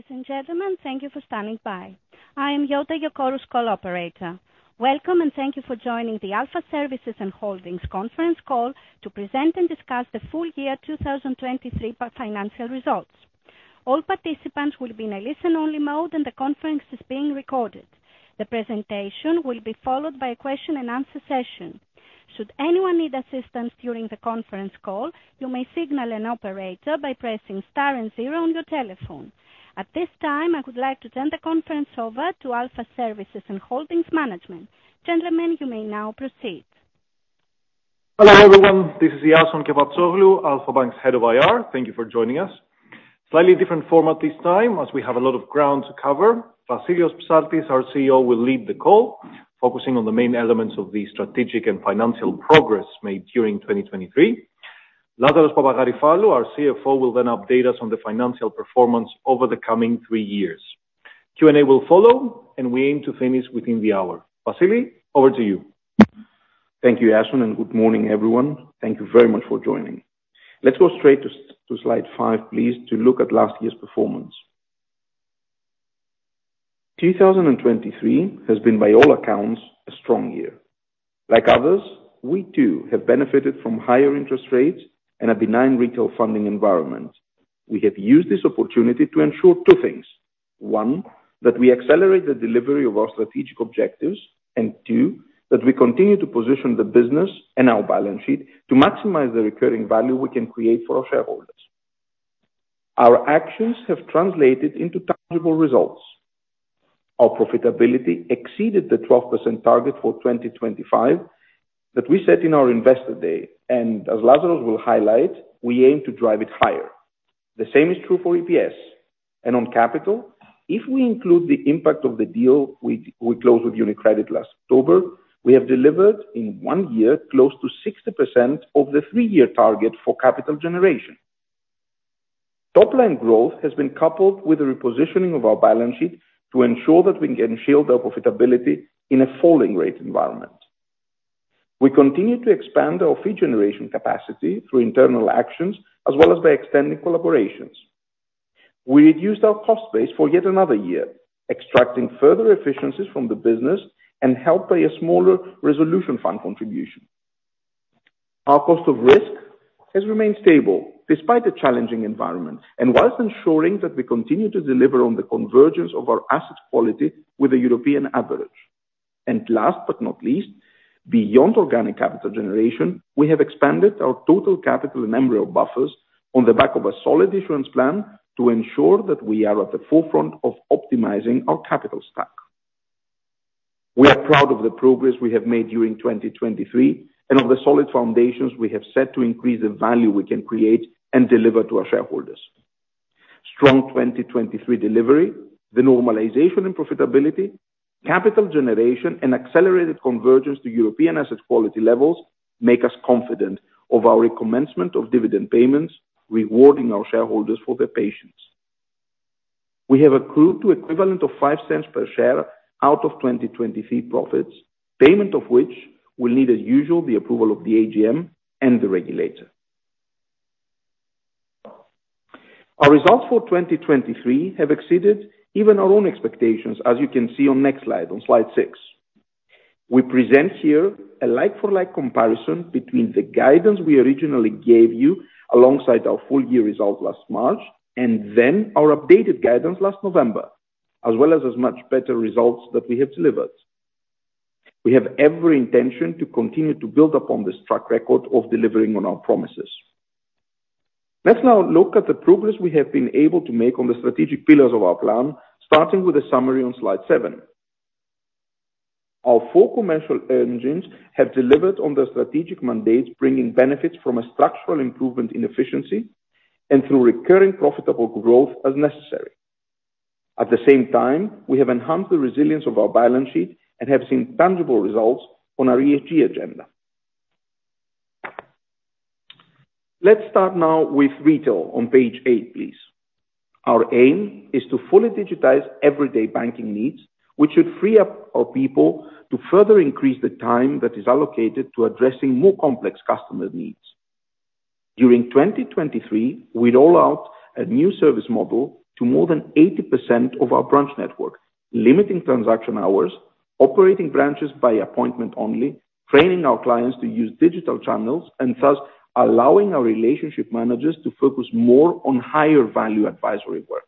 Ladies and gentlemen, thank you for standing by. I am Jutta from Chorus, call operator. Welcome, and thank you for joining the Alpha Services and Holdings conference call to present and discuss the full year 2023 financial results. All participants will be in a listen-only mode, and the conference is being recorded. The presentation will be followed by a question-and-answer session. Should anyone need assistance during the conference call, you may signal an operator by pressing star and zero on your telephone. At this time, I would like to turn the conference over to Alpha Services and Holdings Management. Gentlemen, you may now proceed. Hello everyone. This is Iason Kepaptsoglou, Alpha Bank's head of IR. Thank you for joining us. Slightly different format this time as we have a lot of ground to cover. Vassilios Psaltis, our CEO, will lead the call, focusing on the main elements of the strategic and financial progress made during 2023. Lazaros Papagaryfallou, our CFO, will then update us on the financial performance over the coming three years. Q&A will follow, and we aim to finish within the hour. Vassili, over to you. Thank you, Iason, and good morning everyone. Thank you very much for joining. Let's go straight to slide 5, please, to look at last year's performance. 2023 has been, by all accounts, a strong year. Like others, we too have benefited from higher interest rates and a benign retail funding environment. We have used this opportunity to ensure two things: one, that we accelerate the delivery of our strategic objectives, and two, that we continue to position the business and our balance sheet to maximize the recurring value we can create for our shareholders. Our actions have translated into tangible results. Our profitability exceeded the 12% target for 2025 that we set in our Investor Day, and as Lazaros will highlight, we aim to drive it higher. The same is true for EPS. On capital, if we include the impact of the deal we closed with UniCredit last October, we have delivered, in one year, close to 60% of the three-year target for capital generation. Top-line growth has been coupled with the repositioning of our balance sheet to ensure that we can shield our profitability in a falling rate environment. We continue to expand our fee generation capacity through internal actions as well as by extending collaborations. We reduced our cost base for yet another year, extracting further efficiencies from the business and helping pay a smaller Resolution Fund contribution. Our cost of risk has remained stable despite the challenging environment and whilst ensuring that we continue to deliver on the convergence of our asset quality with the European average. And last but not least, beyond organic capital generation, we have expanded our total capital and embrace buffers on the back of a solid insurance plan to ensure that we are at the forefront of optimizing our capital stack. We are proud of the progress we have made during 2023 and of the solid foundations we have set to increase the value we can create and deliver to our shareholders. Strong 2023 delivery, the normalization in profitability, capital generation, and accelerated convergence to European asset quality levels make us confident of our commencement of dividend payments, rewarding our shareholders for their patience. We have accrued to an equivalent of 0.05 per share out of 2023 profits, payment of which will need as usual the approval of the AGM and the regulator. Our results for 2023 have exceeded even our own expectations, as you can see on next slide, on slide 6. We present here a like-for-like comparison between the guidance we originally gave you alongside our full-year result last March and then our updated guidance last November, as well as much better results that we have delivered. We have every intention to continue to build upon this track record of delivering on our promises. Let's now look at the progress we have been able to make on the strategic pillars of our plan, starting with a summary on slide 7. Our four commercial engines have delivered on their strategic mandates, bringing benefits from a structural improvement in efficiency and through recurring profitable growth as necessary. At the same time, we have enhanced the resilience of our balance sheet and have seen tangible results on our ESG agenda. Let's start now with retail on page eight, please. Our aim is to fully digitize everyday banking needs, which should free up our people to further increase the time that is allocated to addressing more complex customer needs. During 2023, we rolled out a new service model to more than 80% of our branch network, limiting transaction hours, operating branches by appointment only, training our clients to use digital channels, and thus allowing our relationship managers to focus more on higher-value advisory work.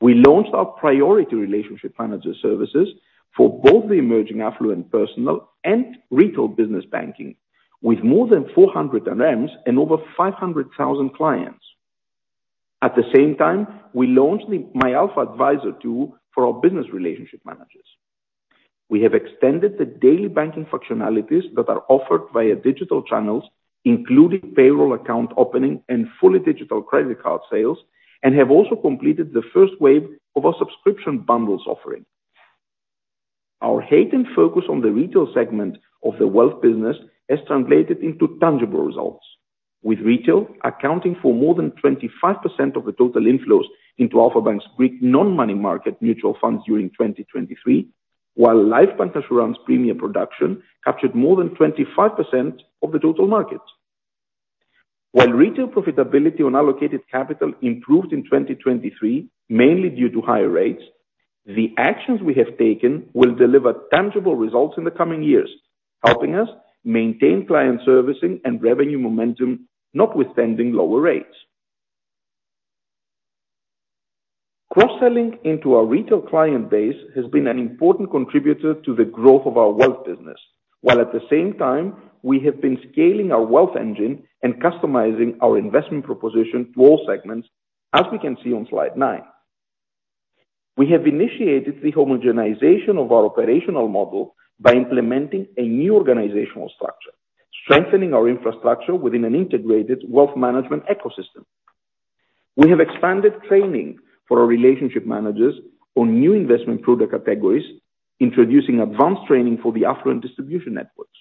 We launched our Priority Relationship Manager services for both the emerging affluent personal and Retail Business Banking, with more than 400 RMs and over 500,000 clients. At the same time, we launched the myAlpha Advisor tool for our business relationship managers. We have extended the daily banking functionalities that are offered via digital channels, including payroll account opening and fully digital credit card sales, and have also completed the first wave of our subscription bundles offering. Our heightened focus on the retail segment of the wealth business has translated into tangible results, with retail accounting for more than 25% of the total inflows into Alpha Bank's Greek non-money market mutual funds during 2023, while Life Bancassurance Premier production captured more than 25% of the total market. While retail profitability on allocated capital improved in 2023, mainly due to higher rates, the actions we have taken will deliver tangible results in the coming years, helping us maintain client servicing and revenue momentum notwithstanding lower rates. Cross-selling into our retail client base has been an important contributor to the growth of our wealth business, while at the same time, we have been scaling our wealth engine and customizing our investment proposition to all segments, as we can see on slide nine. We have initiated the homogenization of our operational model by implementing a new organizational structure, strengthening our infrastructure within an integrated wealth management ecosystem. We have expanded training for our relationship managers on new investment product categories, introducing advanced training for the affluent distribution networks.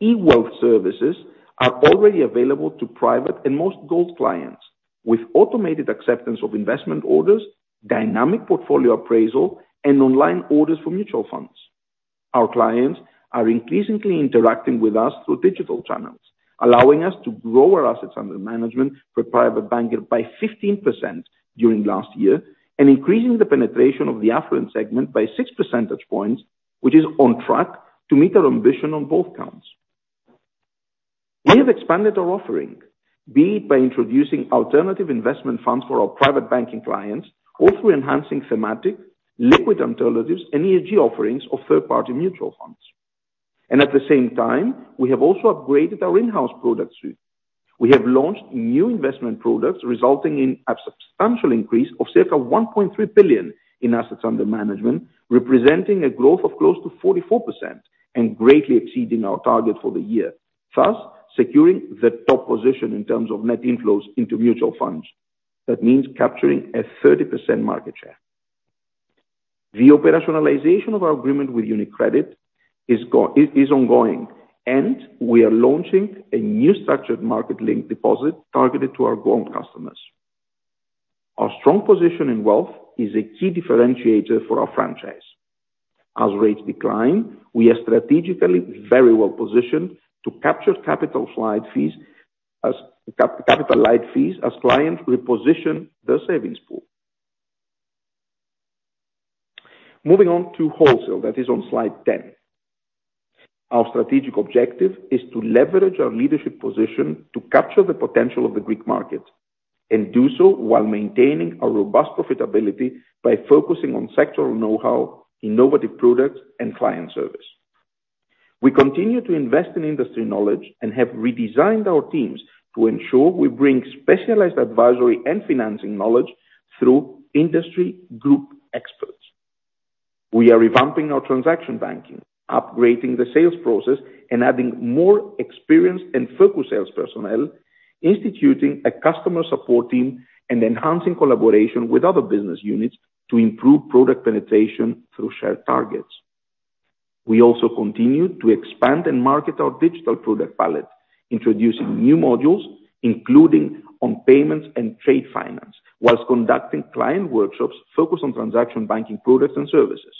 E-wealth services are already available to private and most Gold clients, with automated acceptance of investment orders, dynamic portfolio appraisal, and online orders for mutual funds. Our clients are increasingly interacting with us through digital channels, allowing us to grow our assets under management for Private Banking by 15% during last year and increasing the penetration of the affluent segment by six percentage points, which is on track to meet our ambition on both counts. We have expanded our offering, be it by introducing alternative investment funds for our Private Banking clients or through enhancing thematic, liquid alternatives, and ESG offerings of third-party mutual funds. At the same time, we have also upgraded our in-house product suite. We have launched new investment products, resulting in a substantial increase of circa 1.3 billion in assets under management, representing a growth of close to 44% and greatly exceeding our target for the year, thus securing the top position in terms of net inflows into mutual funds. That means capturing a 30% market share. The operationalization of our agreement with UniCredit is ongoing, and we are launching a new structured market-linked deposit targeted to our Gold customers. Our strong position in wealth is a key differentiator for our franchise. As rates decline, we are strategically very well positioned to capture capital light fees as clients reposition their savings pool. Moving on to wholesale, that is on slide 10. Our strategic objective is to leverage our leadership position to capture the potential of the Greek market and do so while maintaining our robust profitability by focusing on sectoral know-how, innovative products, and client service. We continue to invest in industry knowledge and have redesigned our teams to ensure we bring specialized advisory and financing knowledge through industry group experts. We are revamping our transaction banking, upgrading the sales process, and adding more experienced and focused sales personnel, instituting a customer support team, and enhancing collaboration with other business units to improve product penetration through shared targets. We also continue to expand and market our digital product palette, introducing new modules, including on payments and trade finance, while conducting client workshops focused on transaction banking products and services.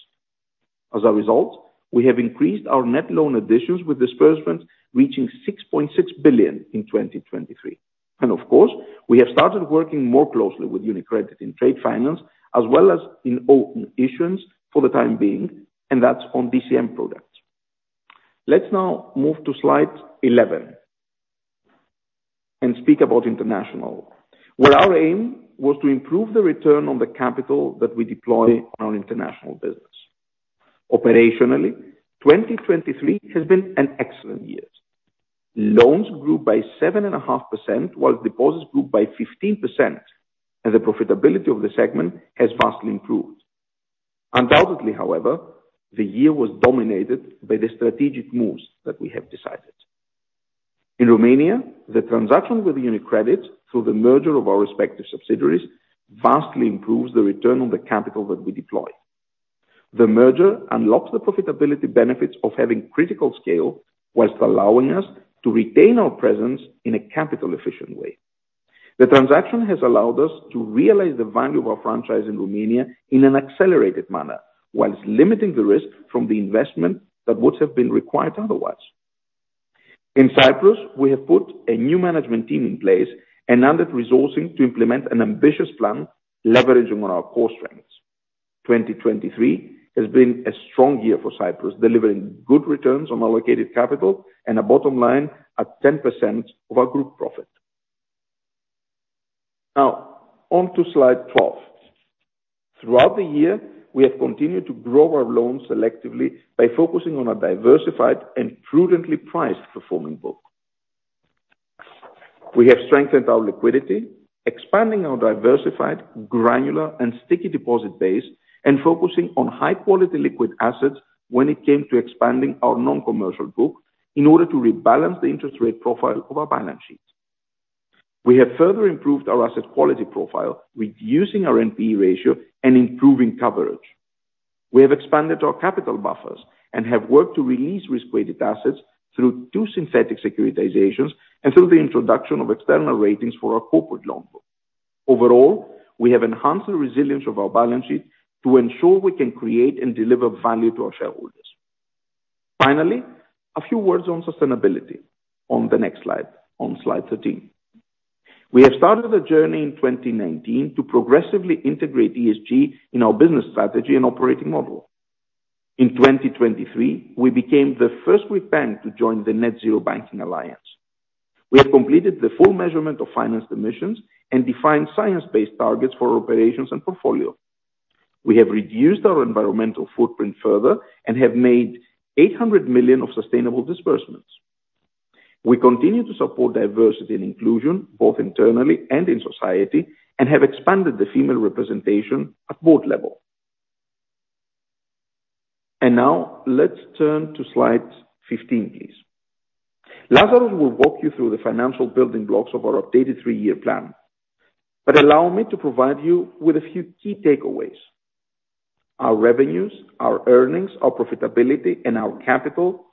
As a result, we have increased our net loan additions with disbursements reaching 6.6 billion in 2023. And of course, we have started working more closely with UniCredit in trade finance as well as in own issuance for the time being, and that's on DCM products. Let's now move to slide 11 and speak about international, where our aim was to improve the return on the capital that we deploy on our international business. Operationally, 2023 has been an excellent year. Loans grew by 7.5% while deposits grew by 15%, and the profitability of the segment has vastly improved. Undoubtedly, however, the year was dominated by the strategic moves that we have decided. In Romania, the transaction with UniCredit through the merger of our respective subsidiaries vastly improves the return on the capital that we deploy. The merger unlocks the profitability benefits of having critical scale while allowing us to retain our presence in a capital-efficient way. The transaction has allowed us to realize the value of our franchise in Romania in an accelerated manner while limiting the risk from the investment that would have been required otherwise. In Cyprus, we have put a new management team in place and enhanced resourcing to implement an ambitious plan leveraging on our core strengths. 2023 has been a strong year for Cyprus, delivering good returns on allocated capital and a bottom line at 10% of our group profit. Now, onto slide 12. Throughout the year, we have continued to grow our loans selectively by focusing on a diversified and prudently priced performing book. We have strengthened our liquidity, expanding our diversified, granular, and sticky deposit base, and focusing on high-quality liquid assets when it came to expanding our non-commercial book in order to rebalance the interest rate profile of our balance sheet. We have further improved our asset quality profile, reducing our NPE ratio and improving coverage. We have expanded our capital buffers and have worked to release risk-weighted assets through two synthetic securitizations and through the introduction of external ratings for our corporate loan book. Overall, we have enhanced the resilience of our balance sheet to ensure we can create and deliver value to our shareholders. Finally, a few words on sustainability on the next slide, on slide 13. We have started a journey in 2019 to progressively integrate ESG in our business strategy and operating model. In 2023, we became the first Greek bank to join the Net Zero Banking Alliance. We have completed the full measurement of finance emissions and defined science-based targets for operations and portfolio. We have reduced our environmental footprint further and have made 800 million of sustainable disbursements. We continue to support diversity and inclusion both internally and in society and have expanded the female representation at board level. And now, let's turn to slide 15, please. Lazaros will walk you through the financial building blocks of our updated three-year plan, but allow me to provide you with a few key takeaways. Our revenues, our earnings, our profitability, and our capital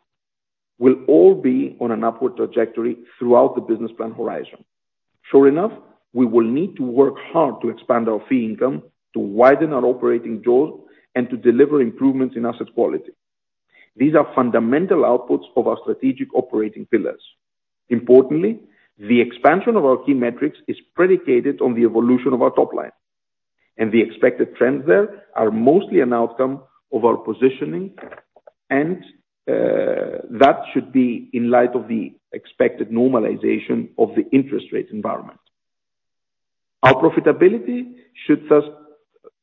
will all be on an upward trajectory throughout the business plan horizon. Sure enough, we will need to work hard to expand our fee income, to widen our operating jaws, and to deliver improvements in asset quality. These are fundamental outputs of our strategic operating pillars. Importantly, the expansion of our key metrics is predicated on the evolution of our topline, and the expected trends there are mostly an outcome of our positioning, and that should be in light of the expected normalization of the interest rate environment. Our profitability should thus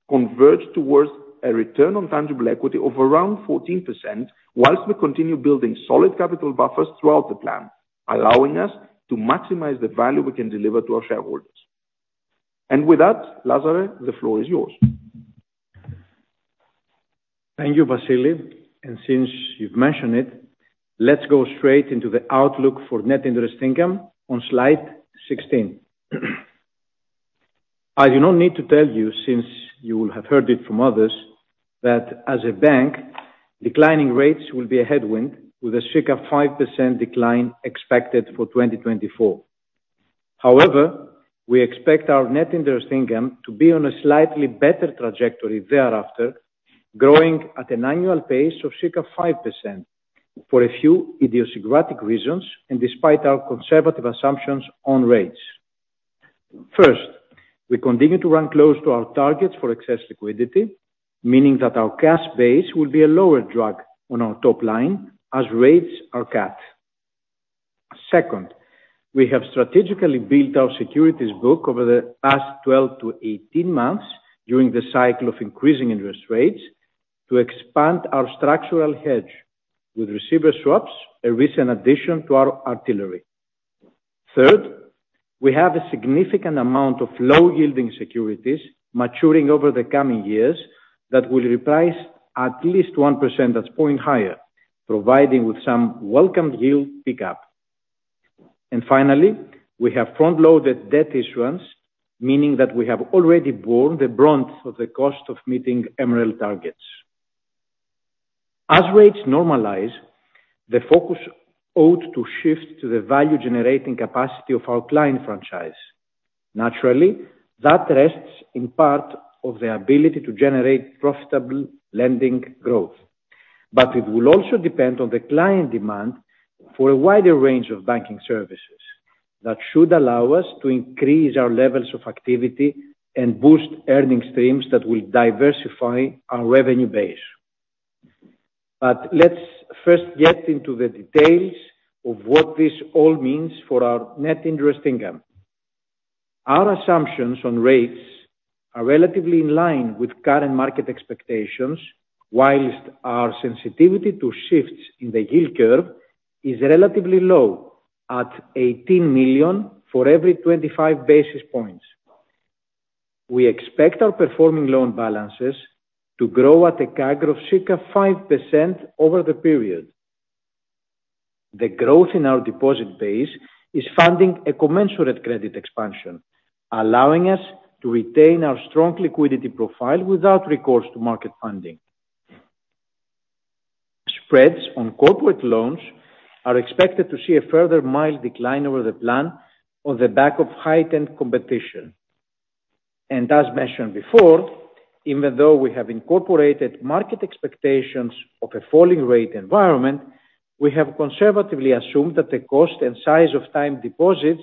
converge towards a return on tangible equity of around 14% while we continue building solid capital buffers throughout the plan, allowing us to maximize the value we can deliver to our shareholders. With that, Lazaros, the floor is yours. Thank you, Vassilios. Since you've mentioned it, let's go straight into the outlook for net interest income on slide 16. I do not need to tell you, since you will have heard it from others, that as a bank, declining rates will be a headwind with a circa 5% decline expected for 2024. However, we expect our net interest income to be on a slightly better trajectory thereafter, growing at an annual pace of circa 5% for a few idiosyncratic reasons and despite our conservative assumptions on rates. First, we continue to run close to our targets for excess liquidity, meaning that our cash base will be a lower drag on our topline as rates are cut. Second, we have strategically built our securities book over the past 12-18 months during the cycle of increasing interest rates to expand our structural hedge with receiver swaps, a recent addition to our arsenal. Third, we have a significant amount of low-yielding securities maturing over the coming years that will reprice at least 1 percentage point higher, providing with some welcome yield pickup. And finally, we have front-loaded debt issuance, meaning that we have already borne the brunt of the cost of meeting MREL targets. As rates normalize, the focus ought to shift to the value-generating capacity of our client franchise. Naturally, that rests in part on the ability to generate profitable lending growth, but it will also depend on the client demand for a wider range of banking services that should allow us to increase our levels of activity and boost earning streams that will diversify our revenue base. Let's first get into the details of what this all means for our net interest income. Our assumptions on rates are relatively in line with current market expectations, while our sensitivity to shifts in the yield curve is relatively low at 18 million for every 25 basis points. We expect our performing loan balances to grow at a CAGR of circa 5% over the period. The growth in our deposit base is funding a commensurate credit expansion, allowing us to retain our strong liquidity profile without recourse to market funding. Spreads on corporate loans are expected to see a further mild decline over the plan on the back of heightened competition. As mentioned before, even though we have incorporated market expectations of a falling rate environment, we have conservatively assumed that the cost and size of time deposits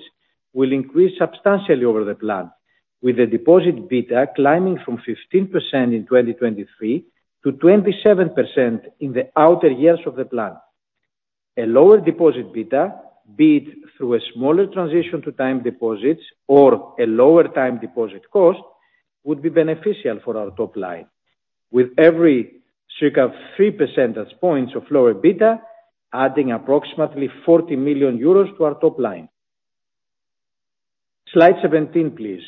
will increase substantially over the plan, with the deposit beta climbing from 15% in 2023 to 27% in the outer years of the plan. A lower deposit beta, be it through a smaller transition to time deposits or a lower time deposit cost, would be beneficial for our topline, with every circa 3 percentage points of lower beta adding approximately 40 million euros to our topline. Slide 17, please.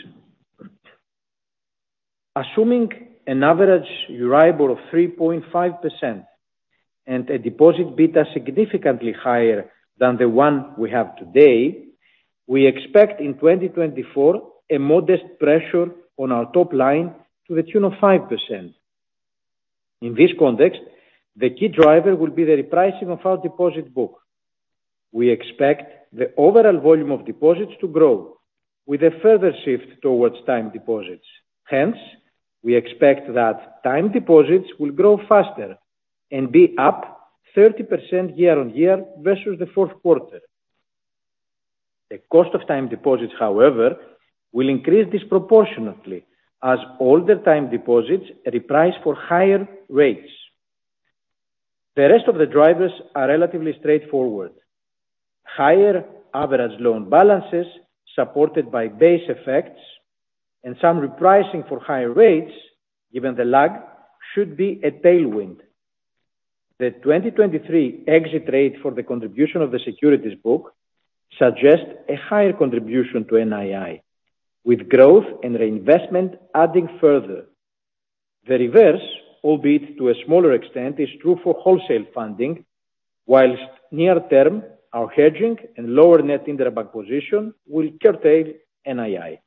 Assuming an average Euribor of 3.5% and a deposit beta significantly higher than the one we have today, we expect in 2024 a modest pressure on our topline to the tune of 5%. In this context, the key driver will be the repricing of our deposit book. We expect the overall volume of deposits to grow with a further shift towards time deposits. Hence, we expect that time deposits will grow faster and be up 30% year-on-year versus the fourth quarter. The cost of time deposits, however, will increase disproportionately as older time deposits reprice for higher rates. The rest of the drivers are relatively straightforward. Higher average loan balances supported by base effects and some repricing for higher rates, given the lag, should be a tailwind. The 2023 exit rate for the contribution of the securities book suggests a higher contribution to NII, with growth and reinvestment adding further. The reverse, albeit to a smaller extent, is true for wholesale funding, whilst near term, our hedging and lower net interbank position will curtail NII.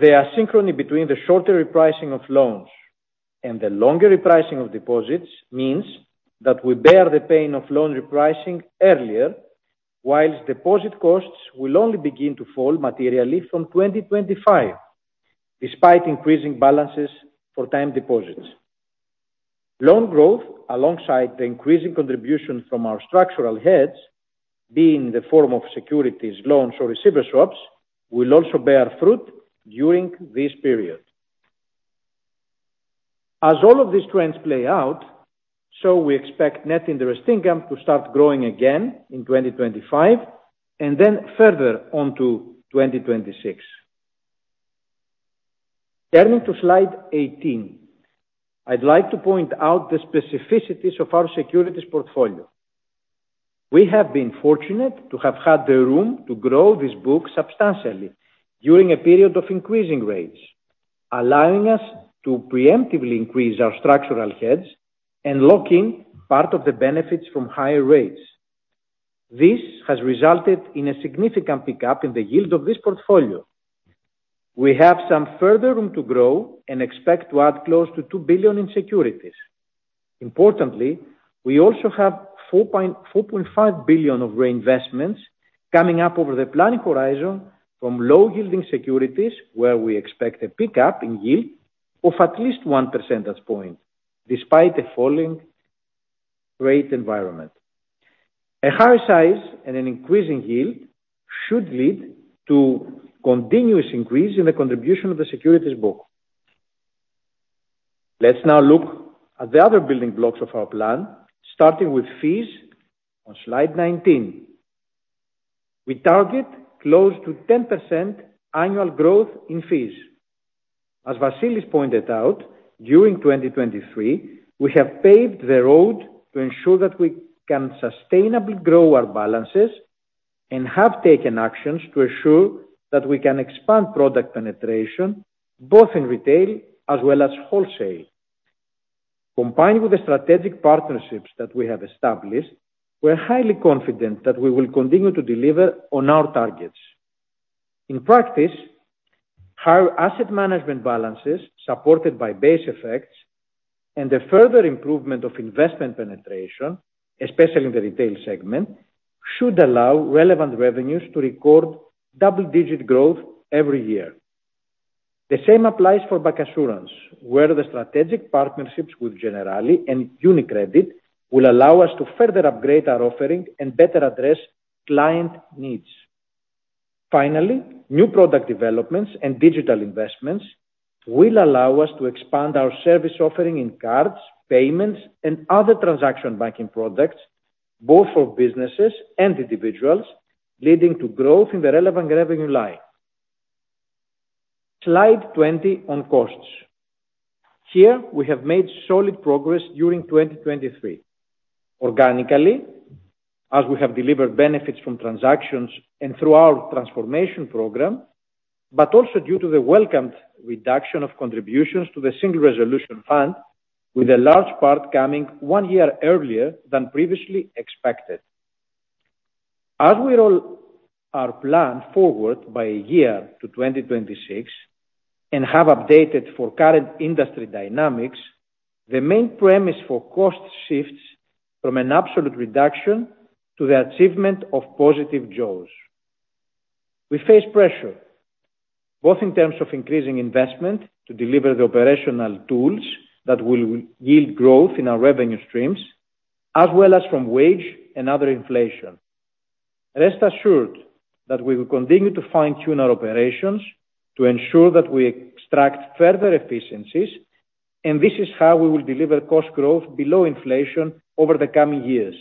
The asynchrony between the shorter repricing of loans and the longer repricing of deposits means that we bear the pain of loan repricing earlier, whilst deposit costs will only begin to fall materially from 2025 despite increasing balances for time deposits. Loan growth, alongside the increasing contribution from our structural hedges, be it in the form of securities, loans, or receiver swaps, will also bear fruit during this period. As all of these trends play out, so we expect net interest income to start growing again in 2025 and then further onto 2026. Turning to slide 18, I'd like to point out the specificities of our securities portfolio. We have been fortunate to have had the room to grow this book substantially during a period of increasing rates, allowing us to preemptively increase our structural hedges and lock in part of the benefits from higher rates. This has resulted in a significant pickup in the yield of this portfolio. We have some further room to grow and expect to add close to 2 billion in securities. Importantly, we also have 4.5 billion of reinvestments coming up over the planning horizon from low-yielding securities, where we expect a pickup in yield of at least 1 percentage point despite a falling rate environment. A higher size and an increasing yield should lead to continuous increase in the contribution of the securities book. Let's now look at the other building blocks of our plan, starting with fees on slide 19. We target close to 10% annual growth in fees. As Vassilios pointed out, during 2023, we have paved the road to ensure that we can sustainably grow our balances and have taken actions to assure that we can expand product penetration, both in retail as well as wholesale. Combined with the strategic partnerships that we have established, we are highly confident that we will continue to deliver on our targets. In practice, higher asset management balances supported by base effects and a further improvement of investment penetration, especially in the retail segment, should allow relevant revenues to record double-digit growth every year. The same applies for bancassurance, where the strategic partnerships with Generali and UniCredit will allow us to further upgrade our offering and better address client needs. Finally, new product developments and digital investments will allow us to expand our service offering in cards, payments, and other transaction banking products, both for businesses and individuals, leading to growth in the relevant revenue line. Slide 20 on costs. Here, we have made solid progress during 2023 organically, as we have delivered benefits from transactions and through our transformation program, but also due to the welcomed reduction of contributions to the Single Resolution Fund, with a large part coming one year earlier than previously expected. As we roll our plan forward by a year to 2026 and have updated for current industry dynamics, the main premise for cost shifts is from an absolute reduction to the achievement of positive jaws. We face pressure, both in terms of increasing investment to deliver the operational tools that will yield growth in our revenue streams, as well as from wage and other inflation. Rest assured that we will continue to fine-tune our operations to ensure that we extract further efficiencies, and this is how we will deliver cost growth below inflation over the coming years.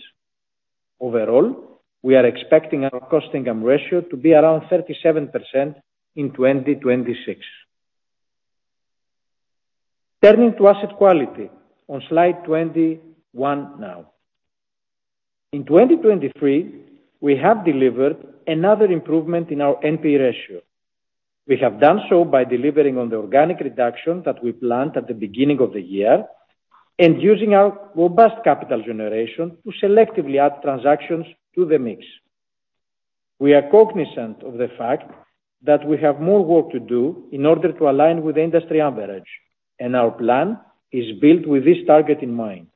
Overall, we are expecting our cost income ratio to be around 37% in 2026. Turning to asset quality on slide 21 now. In 2023, we have delivered another improvement in our NPE ratio. We have done so by delivering on the organic reduction that we planned at the beginning of the year and using our robust capital generation to selectively add transactions to the mix. We are cognizant of the fact that we have more work to do in order to align with industry average, and our plan is built with this target in mind.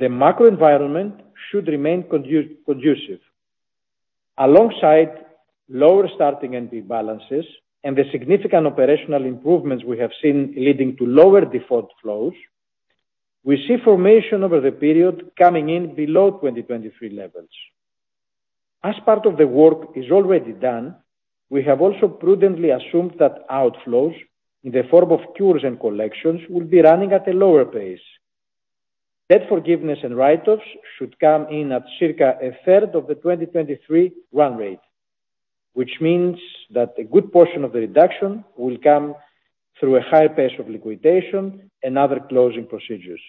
The macro environment should remain conducive. Alongside lower starting NPE balances and the significant operational improvements we have seen leading to lower default flows, we see formation over the period coming in below 2023 levels. As part of the work is already done, we have also prudently assumed that outflows in the form of cures and collections will be running at a lower pace. Debt forgiveness and write-offs should come in at circa a third of the 2023 run rate, which means that a good portion of the reduction will come through a higher pace of liquidation and other closing procedures.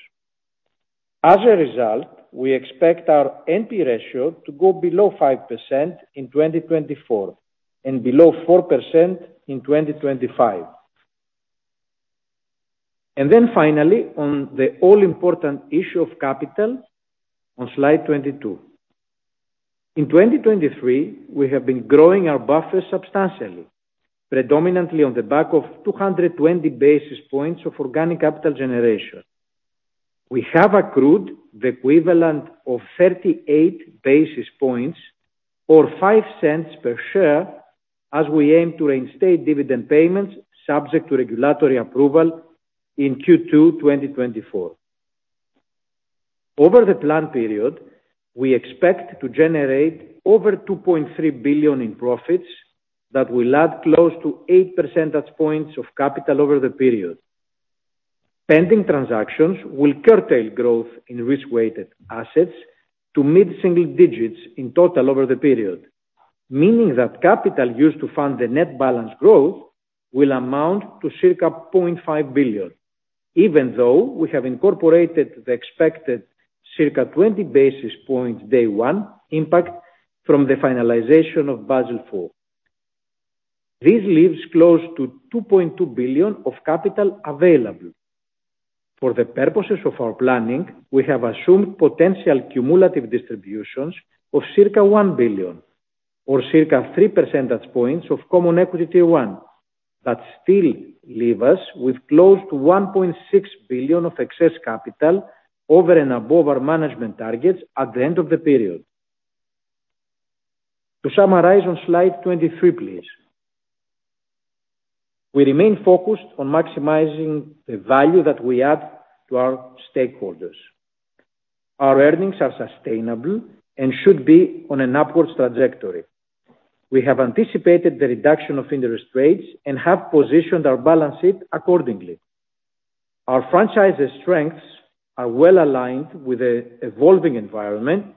As a result, we expect our NPE ratio to go below 5% in 2024 and below 4% in 2025. Finally, on the all-important issue of capital on slide 22. In 2023, we have been growing our buffer substantially, predominantly on the back of 220 basis points of organic capital generation. We have accrued the equivalent of 38 basis points or 0.05 per share as we aim to reinstate dividend payments subject to regulatory approval in Q2 2024. Over the planned period, we expect to generate over 2.3 billion in profits that will add close to 8 percentage points of capital over the period. Pending transactions will curtail growth in risk-weighted assets to mid-single digits in total over the period, meaning that capital used to fund the net balance growth will amount to circa 0.5 billion, even though we have incorporated the expected circa 20 basis points day one impact from the finalization of Basel IV. This leaves close to 2.2 billion of capital available. For the purposes of our planning, we have assumed potential cumulative distributions of circa 1 billion or circa 3 percentage points of Common Equity Tier 1 that still leave us with close to 1.6 billion of excess capital over and above our management targets at the end of the period. To summarize on Slide 23, please. We remain focused on maximizing the value that we add to our stakeholders. Our earnings are sustainable and should be on an upward trajectory. We have anticipated the reduction of interest rates and have positioned our balance sheet accordingly. Our franchise's strengths are well aligned with an evolving environment,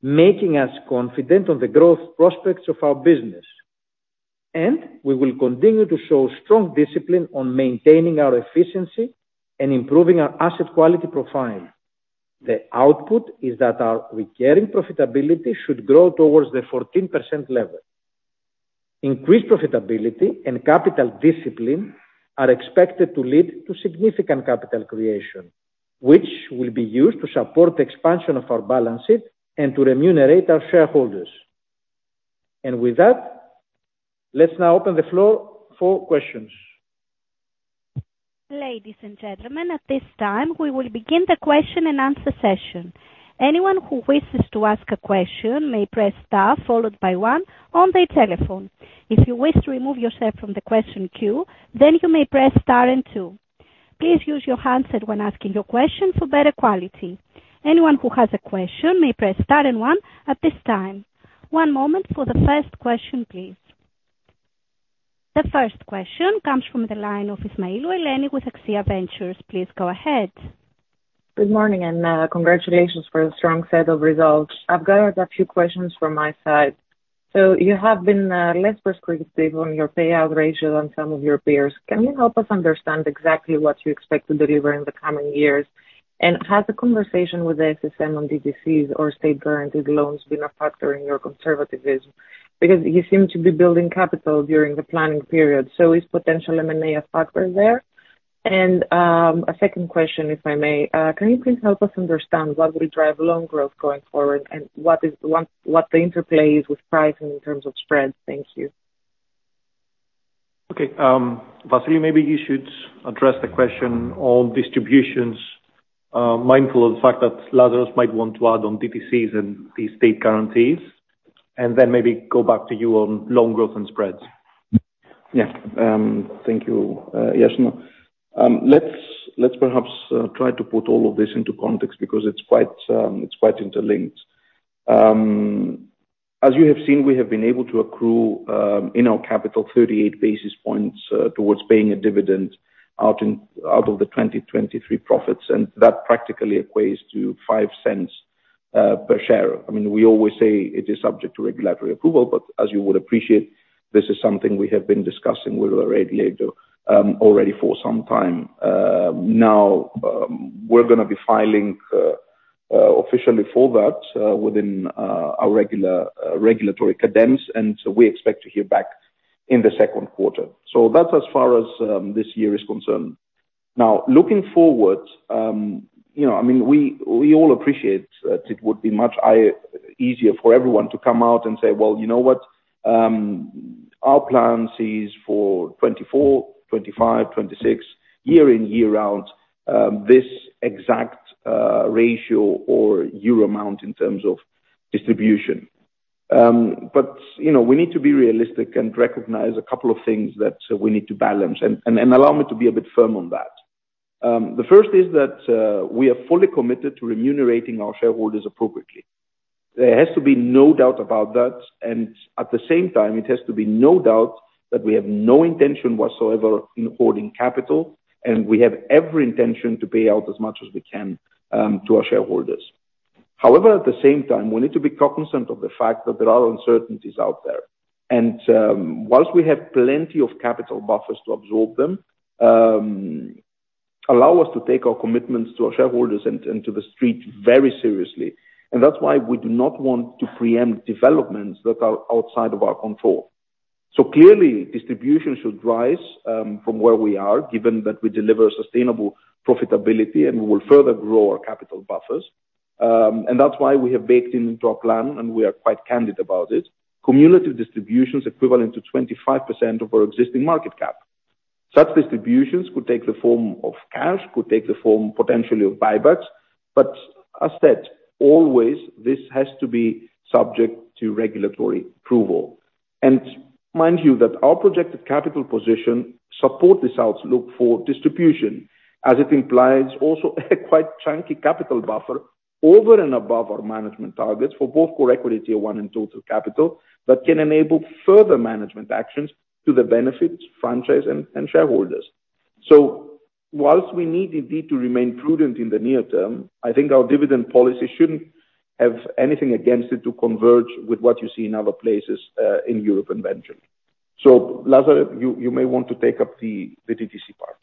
making us confident on the growth prospects of our business. We will continue to show strong discipline on maintaining our efficiency and improving our asset quality profile. The output is that our recurring profitability should grow towards the 14% level. Increased profitability and capital discipline are expected to lead to significant capital creation, which will be used to support the expansion of our balance sheet and to remunerate our shareholders. With that, let's now open the floor for questions. Ladies and gentlemen, at this time, we will begin the question and answer session. Anyone who wishes to ask a question may press star followed by one on their telephone. If you wish to remove yourself from the question queue, then you may press star and two. Please use your handset when asking your question for better quality. Anyone who has a question may press star and one at this time. One moment for the first question, please. The first question comes from the line of Eleni Ismailou with Axia Ventures Group. Please go ahead. Good morning and congratulations for the strong set of results. I've got a few questions from my side. So you have been less prescriptive on your payout ratio than some of your peers. Can you help us understand exactly what you expect to deliver in the coming years? And has the conversation with the SSM on DTCs or state-guaranteed loans been a factor in your conservatism? Because you seem to be building capital during the planning period. So is potential M&A a factor there? And a second question, if I may. Can you please help us understand what will drive loan growth going forward and what the interplay is with pricing in terms of spreads? Thank you. Okay. Vassilios, maybe you should address the question on distributions, mindful of the fact that Lazaros might want to add on DTCs and the state guarantees, and then maybe go back to you on loan growth and spreads. Yeah. Thank you, Iason. Let's perhaps try to put all of this into context because it's quite interlinked. As you have seen, we have been able to accrue in our capital 38 basis points towards paying a dividend out of the 2023 profits, and that practically equates to 0.05 per share. I mean, we always say it is subject to regulatory approval, but as you would appreciate, this is something we have been discussing with the regulator already for some time. Now, we're going to be filing officially for that within our regulatory cadence, and we expect to hear back in the second quarter. So that's as far as this year is concerned. Now, looking forward, I mean, we all appreciate that it would be much easier for everyone to come out and say, "Well, you know what? Our plan sees for 2024, 2025, 2026, year in, year out, this exact ratio or euro amount in terms of distribution." But we need to be realistic and recognize a couple of things that we need to balance and allow me to be a bit firm on that. The first is that we are fully committed to remunerating our shareholders appropriately. There has to be no doubt about that. And at the same time, it has to be no doubt that we have no intention whatsoever in hoarding capital, and we have every intention to pay out as much as we can to our shareholders. However, at the same time, we need to be cognizant of the fact that there are uncertainties out there. And whilst we have plenty of capital buffers to absorb them, allow us to take our commitments to our shareholders and to the street very seriously. That's why we do not want to preempt developments that are outside of our control. So clearly, distribution should rise from where we are, given that we deliver sustainable profitability and we will further grow our capital buffers. And that's why we have baked it into our plan, and we are quite candid about it: cumulative distributions equivalent to 25% of our existing market cap. Such distributions could take the form of cash, could take the form potentially of buybacks. But as said, always, this has to be subject to regulatory approval. And mind you that our projected capital position supports this outlook for distribution, as it implies also a quite chunky capital buffer over and above our management targets for both core equity tier one and total capital that can enable further management actions to the benefits, franchise, and shareholders. So while we need indeed to remain prudent in the near term, I think our dividend policy shouldn't have anything against it to converge with what you see in other places in Europe and Belgium. So Lazaros, you may want to take up the DTC part.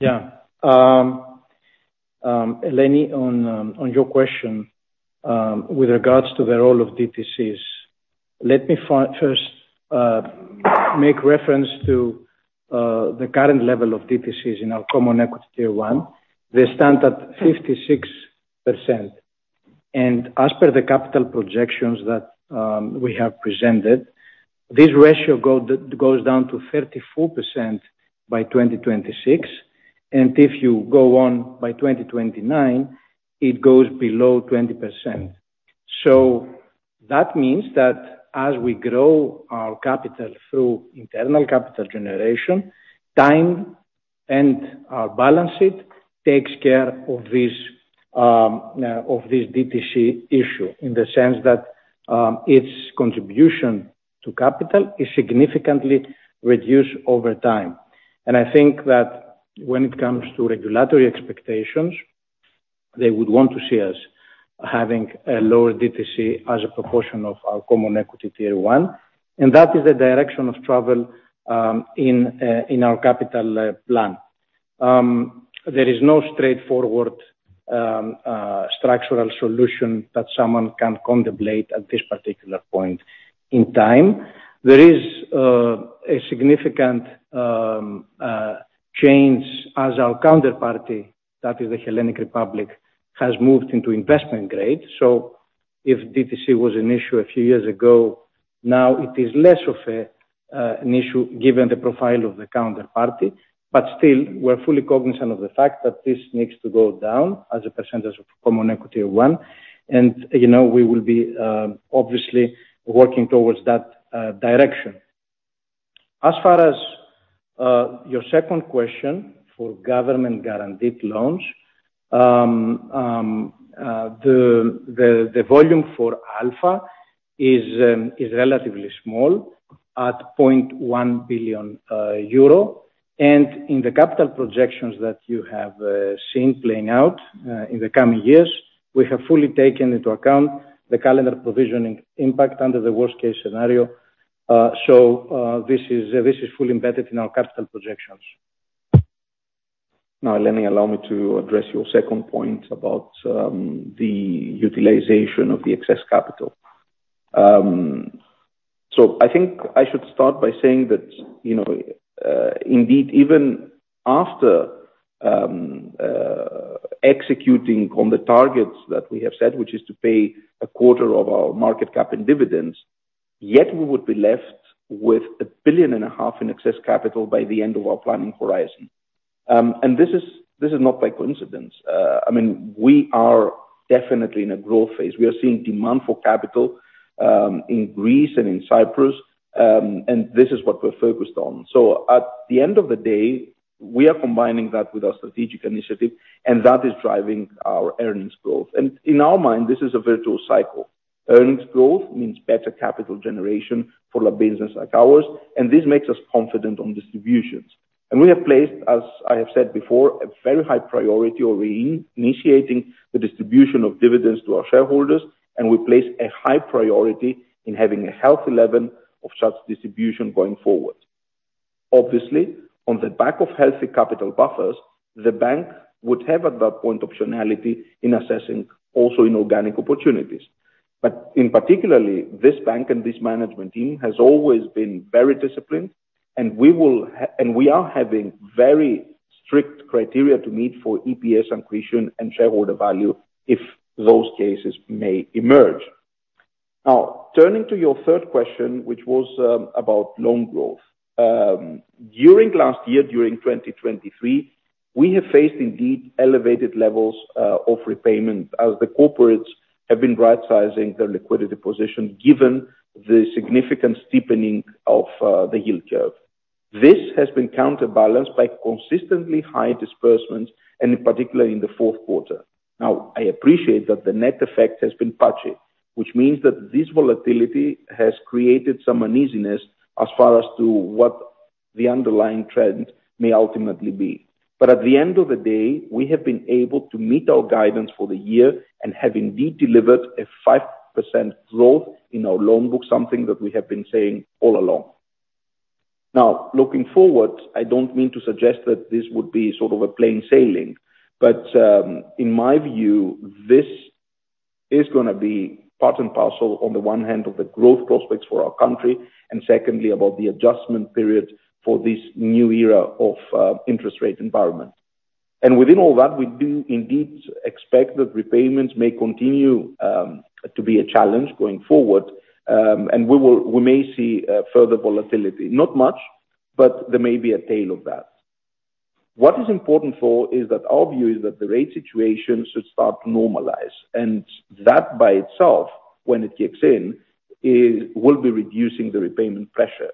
Yeah. Eleni, on your question with regards to the role of DTCs, let me first make reference to the current level of DTCs in our Common Equity Tier 1, the standard 56%. And as per the capital projections that we have presented, this ratio goes down to 34% by 2026. And if you go on by 2029, it goes below 20%. So that means that as we grow our capital through internal capital generation, time and our balance sheet takes care of this DTC issue in the sense that its contribution to capital is significantly reduced over time. I think that when it comes to regulatory expectations, they would want to see us having a lower DTC as a proportion of our Common Equity Tier 1. And that is the direction of travel in our capital plan. There is no straightforward structural solution that someone can contemplate at this particular point in time. There is a significant change as our counterparty, that is the Hellenic Republic, has moved into investment grade. So if DTC was an issue a few years ago, now it is less of an issue given the profile of the counterparty. But still, we're fully cognizant of the fact that this needs to go down as a percentage of Common Equity Tier 1. And we will be obviously working towards that direction. As far as your second question for government-guaranteed loans, the volume for Alpha is relatively small at 0.1 billion euro. In the capital projections that you have seen playing out in the coming years, we have fully taken into account the calendar provisioning impact under the worst-case scenario. This is fully embedded in our capital projections. Now, Eleni, allow me to address your second point about the utilization of the excess capital. I think I should start by saying that indeed, even after executing on the targets that we have set, which is to pay a quarter of our market cap in dividends, yet we would be left with 1.5 billion in excess capital by the end of our planning horizon. This is not by coincidence. I mean, we are definitely in a growth phase. We are seeing demand for capital in Greece and in Cyprus. This is what we're focused on. So at the end of the day, we are combining that with our strategic initiative, and that is driving our earnings growth. And in our mind, this is a virtuous cycle. Earnings growth means better capital generation for a business like ours. And this makes us confident on distributions. And we have placed, as I have said before, a very high priority of reinitiating the distribution of dividends to our shareholders. And we place a high priority in having a healthy level of such distribution going forward. Obviously, on the back of healthy capital buffers, the bank would have at that point optionality in assessing also inorganic opportunities. But in particular, this bank and this management team has always been very disciplined. And we are having very strict criteria to meet for EPS accretion and shareholder value if those cases may emerge. Now, turning to your third question, which was about loan growth. During last year, during 2023, we have faced indeed elevated levels of repayment as the corporates have been right-sizing their liquidity position given the significant steepening of the yield curve. This has been counterbalanced by consistently high disbursements, and in particular, in the fourth quarter. Now, I appreciate that the net effect has been patchy, which means that this volatility has created some uneasiness as far as to what the underlying trend may ultimately be. But at the end of the day, we have been able to meet our guidance for the year and have indeed delivered a 5% growth in our loan book, something that we have been saying all along. Now, looking forward, I don't mean to suggest that this would be sort of a plain sailing. But in my view, this is going to be part and parcel on the one hand of the growth prospects for our country and secondly, about the adjustment period for this new era of interest rate environment. And within all that, we do indeed expect that repayments may continue to be a challenge going forward. And we may see further volatility. Not much, but there may be a tail of that. What is important is that our view is that the rate situation should start to normalize. And that by itself, when it kicks in, will be reducing the repayment pressure.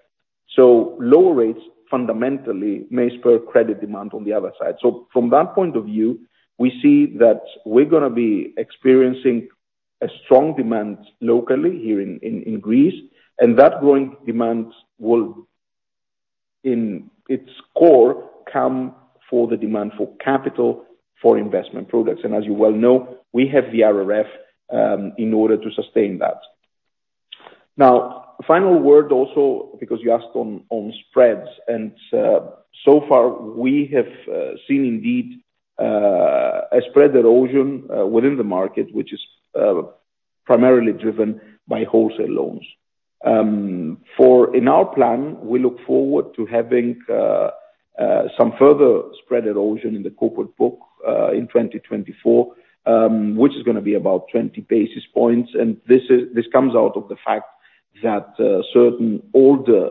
So lower rates fundamentally may spur credit demand on the other side. So from that point of view, we see that we're going to be experiencing a strong demand locally here in Greece. That growing demand will, in its core, come for the demand for capital for investment products. As you well know, we have the RRF in order to sustain that. Now, final word also because you asked on spreads. So far, we have seen indeed a spread erosion within the market, which is primarily driven by wholesale loans. In our plan, we look forward to having some further spread erosion in the corporate book in 2024, which is going to be about 20 basis points. This comes out of the fact that certain older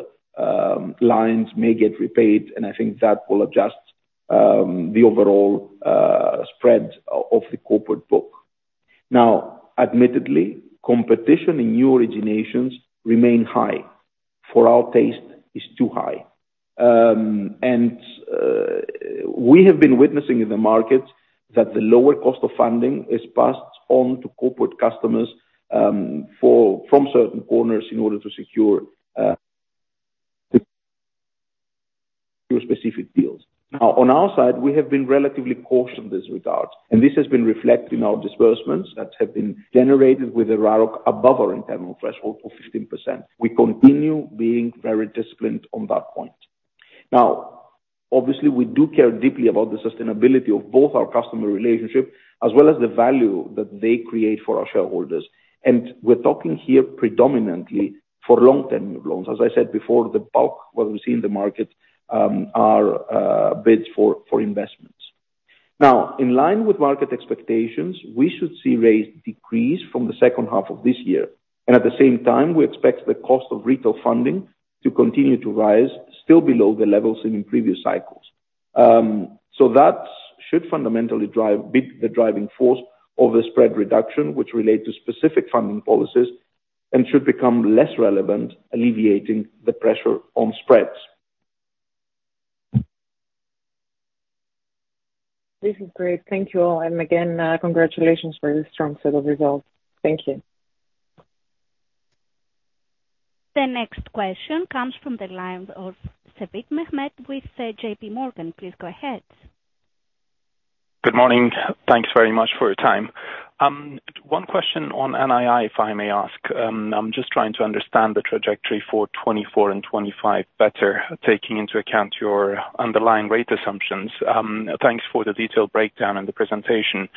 lines may get repaid. I think that will adjust the overall spread of the corporate book. Now, admittedly, competition in new originations remains high. For our taste, it's too high. We have been witnessing in the markets that the lower cost of funding is passed on to corporate customers from certain corners in order to secure specific deals. Now, on our side, we have been relatively cautious in this regard. And this has been reflected in our disbursements that have been generated with a RAROC above our internal threshold of 15%. We continue being very disciplined on that point. Now, obviously, we do care deeply about the sustainability of both our customer relationship as well as the value that they create for our shareholders. And we're talking here predominantly for long-term loans. As I said before, the bulk what we see in the market are bids for investments. Now, in line with market expectations, we should see rates decrease from the second half of this year. At the same time, we expect the cost of retail funding to continue to rise, still below the levels seen in previous cycles. So that should fundamentally be the driving force of the spread reduction, which relate to specific funding policies and should become less relevant, alleviating the pressure on spreads. This is great. Thank you all. And again, congratulations for this strong set of results. Thank you. The next question comes from the line of Mehmet Sevim with J.P. Morgan. Please go ahead. Good morning. Thanks very much for your time. One question on NII, if I may ask. I'm just trying to understand the trajectory for 2024 and 2025 better, taking into account your underlying rate assumptions. Thanks for the detailed breakdown and the presentation.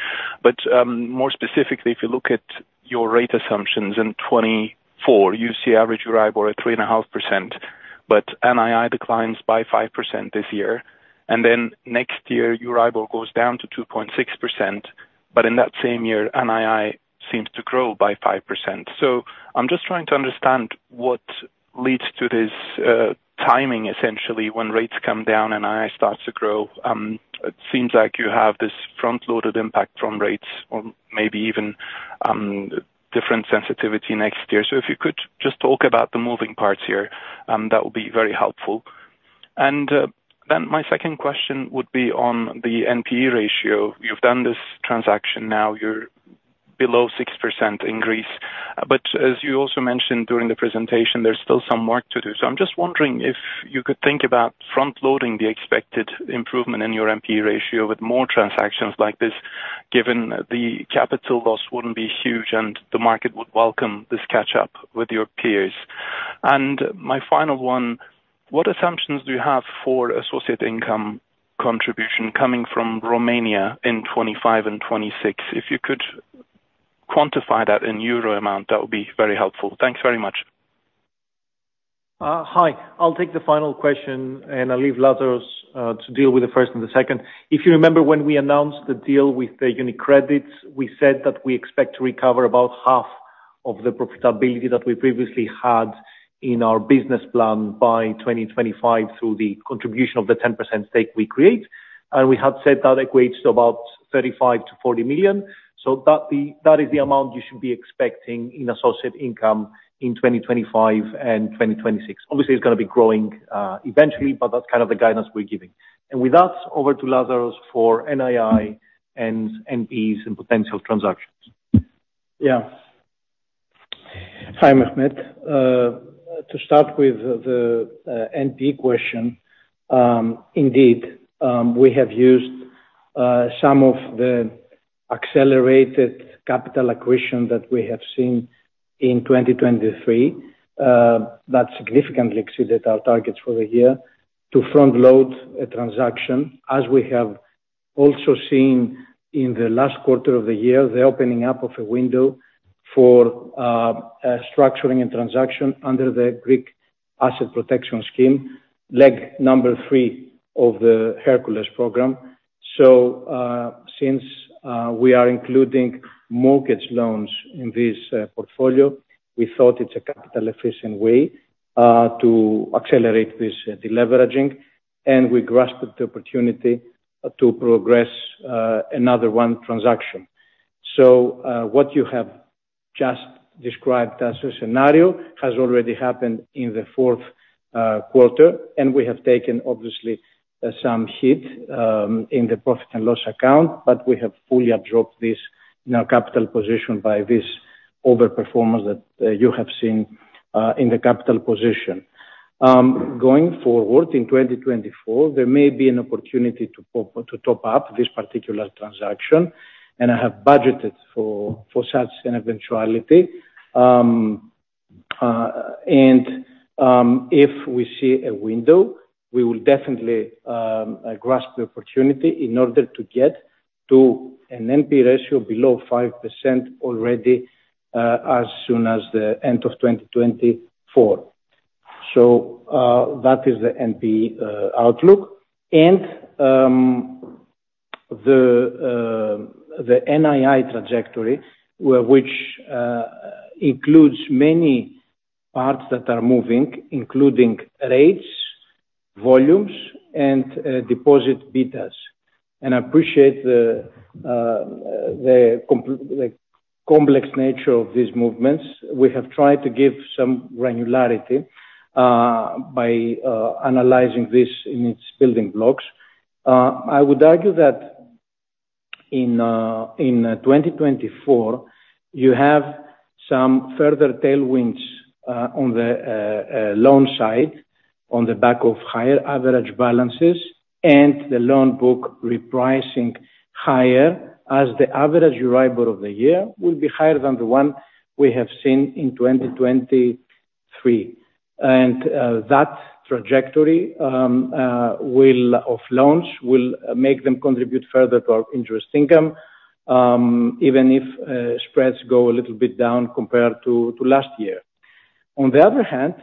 But more specifically, if you look at your rate assumptions in 2024, you see average Euribor at 3.5%. NII declines by 5% this year. Then next year, EURIBOR goes down to 2.6%. In that same year, NII seems to grow by 5%. I'm just trying to understand what leads to this timing, essentially, when rates come down, NII starts to grow. It seems like you have this front-loaded impact from rates or maybe even different sensitivity next year. If you could just talk about the moving parts here, that would be very helpful. Then my second question would be on the NPE ratio. You've done this transaction now. You're below 6% in Greece. But as you also mentioned during the presentation, there's still some work to do. So I'm just wondering if you could think about front-loading the expected improvement in your NPE ratio with more transactions like this, given the capital loss wouldn't be huge and the market would welcome this catch-up with your peers. And my final one, what assumptions do you have for associate income contribution coming from Romania in 2025 and 2026? If you could quantify that in euro amount, that would be very helpful. Thanks very much. Hi. I'll take the final question, and I'll leave Lazaros to deal with the first and the second. If you remember when we announced the deal with UniCredit, we said that we expect to recover about half of the profitability that we previously had in our business plan by 2025 through the contribution of the 10% stake we create. And we had said that equates to about 35 million-40 million. So that is the amount you should be expecting in associate income in 2025 and 2026. Obviously, it's going to be growing eventually, but that's kind of the guidance we're giving. And with that, over to Lazaros for NII and NPEs and potential transactions. Yeah. Hi, Mehmet. To start with the NPE question, indeed, we have used some of the accelerated capital accretion that we have seen in 2023 that significantly exceeded our targets for the year to front-load a transaction, as we have also seen in the last quarter of the year, the opening up of a window for structuring a transaction under the Hercules Asset Protection Scheme, leg number 3 of the Hercules program. So since we are including mortgage loans in this portfolio, we thought it's a capital-efficient way to accelerate this deleveraging. And we grasped the opportunity to progress another one transaction. So what you have just described as a scenario has already happened in the fourth quarter. We have taken, obviously, some hit in the profit and loss account. We have fully absorbed this in our capital position by this overperformance that you have seen in the capital position. Going forward, in 2024, there may be an opportunity to top up this particular transaction. I have budgeted for such an eventuality. If we see a window, we will definitely grasp the opportunity in order to get to an NPE ratio below 5% already as soon as the end of 2024. So that is the NPE outlook. The NII trajectory, which includes many parts that are moving, including rates, volumes, and deposit betas. I appreciate the complex nature of these movements. We have tried to give some granularity by analyzing this in its building blocks. I would argue that in 2024, you have some further tailwinds on the loan side, on the back of higher average balances and the loan book repricing higher as the average Euribor of the year will be higher than the one we have seen in 2023. And that trajectory of loans will make them contribute further to our interest income, even if spreads go a little bit down compared to last year. On the other hand,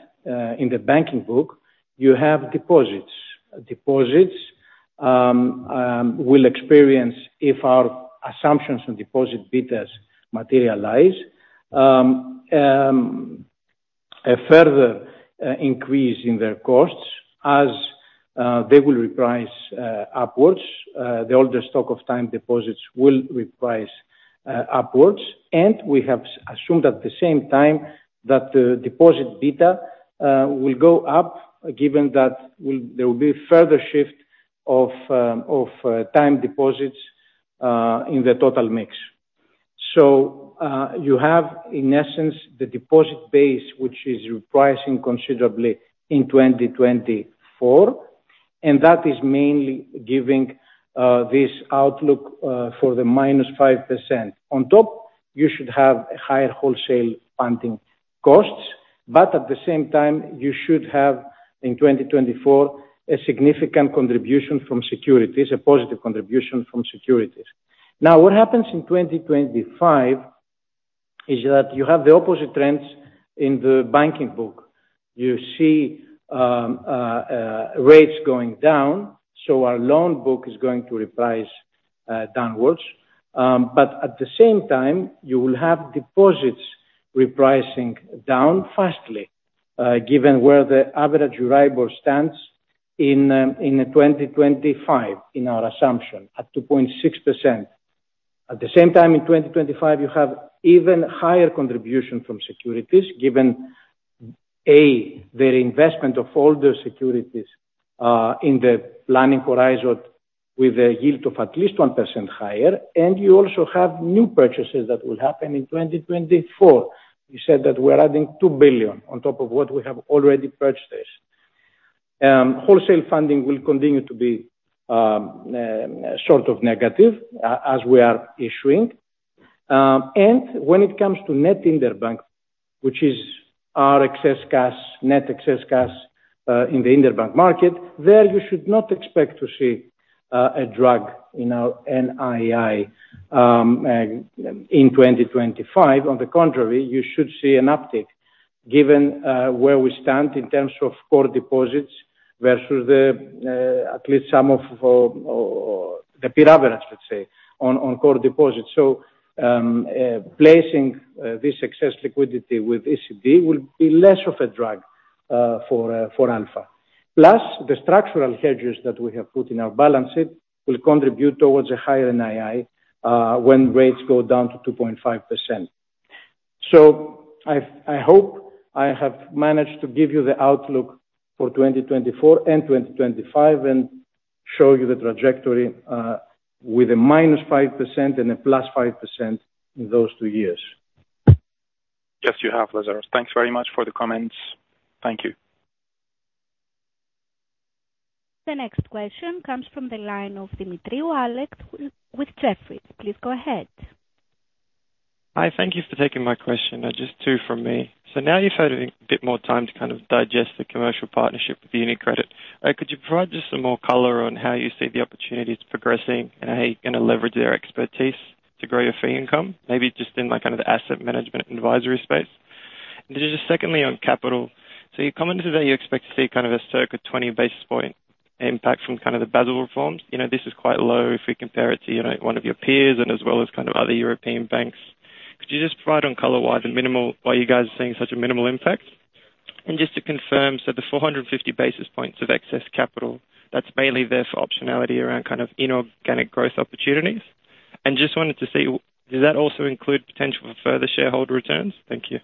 in the banking book, you have deposits. Deposits will experience, if our assumptions on deposit betas materialize, a further increase in their costs as they will reprice upwards. The older stock of time deposits will reprice upwards. And we have assumed at the same time that the deposit beta will go up, given that there will be a further shift of time deposits in the total mix. So you have, in essence, the deposit base, which is repricing considerably in 2024. And that is mainly giving this outlook for the -5%. On top, you should have higher wholesale funding costs. But at the same time, you should have, in 2024, a significant contribution from securities, a positive contribution from securities. Now, what happens in 2025 is that you have the opposite trends in the banking book. You see rates going down. So our loan book is going to reprice downwards. But at the same time, you will have deposits repricing down fastly, given where the average EURIBOR stands in 2025 in our assumption at 2.6%. At the same time, in 2025, you have even higher contribution from securities, given, A, the reinvestment of older securities in the planning horizon with a yield of at least 1% higher. You also have new purchases that will happen in 2024. You said that we're adding 2 billion on top of what we have already purchased. Wholesale funding will continue to be sort of negative as we are issuing. When it comes to net interbank, which is our excess cash, net excess cash in the interbank market, there you should not expect to see a drag in our NII in 2025. On the contrary, you should see an uptick, given where we stand in terms of core deposits versus at least some of the peer average, let's say, on core deposits. So placing this excess liquidity with ECB will be less of a drag for Alpha. Plus, the structural hedges that we have put in our balance sheet will contribute towards a higher NII when rates go down to 2.5%. So I hope I have managed to give you the outlook for 2024 and 2025 and show you the trajectory with a -5% and a +5% in those two years. Yes, you have, Lazaros. Thanks very much for the comments. Thank you. The next question comes from the line of Alex Demetriou with Jefferies. Please go ahead. Hi. Thank you for taking my question. Just two from me. So now you've had a bit more time to kind of digest the commercial partnership with UniCredit. Could you provide just some more color on how you see the opportunities progressing and how you're going to leverage their expertise to grow your fee income, maybe just in kind of the asset management advisory space? And then just secondly, on capital. So, you're commenting today you expect to see kind of a circa 20 basis point impact from kind of the Basel reforms. This is quite low if we compare it to one of your peers, as well as kind of other European banks. Could you just provide some color why you guys are seeing such a minimal impact? And just to confirm, so the 450 basis points of excess capital, that's mainly there for optionality around kind of inorganic growth opportunities. And just wanted to see, does that also include potential for further shareholder returns? Thank you.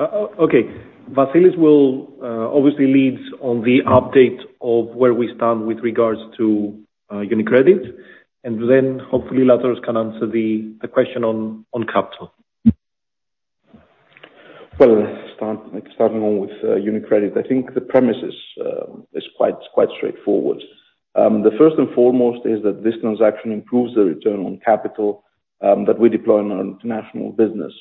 Okay. Vassilios will obviously lead on the update of where we stand with regards to UniCredit. And then hopefully, Lazaros can answer the question on capital. Well, starting off with UniCredit, I think the premise is quite straightforward. The first and foremost is that this transaction improves the return on capital that we deploy in our international business.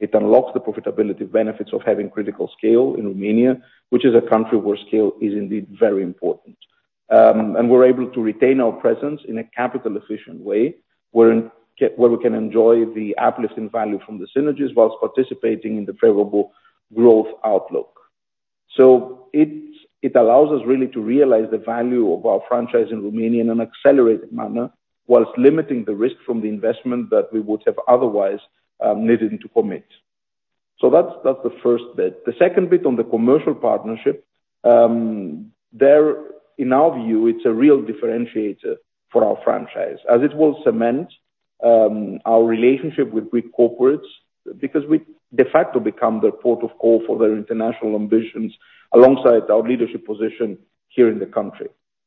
It unlocks the profitability benefits of having critical scale in Romania, which is a country where scale is indeed very important. We're able to retain our presence in a capital-efficient way where we can enjoy the uplift in value from the synergies while participating in the favorable growth outlook. It allows us really to realize the value of our franchise in Romania in an accelerated manner while limiting the risk from the investment that we would have otherwise needed to commit. That's the first bit. The second bit on the commercial partnership, in our view, it's a real differentiator for our franchise as it will cement our relationship with Greek corporates because we de facto become their port of call for their international ambitions alongside our leadership position here in the country.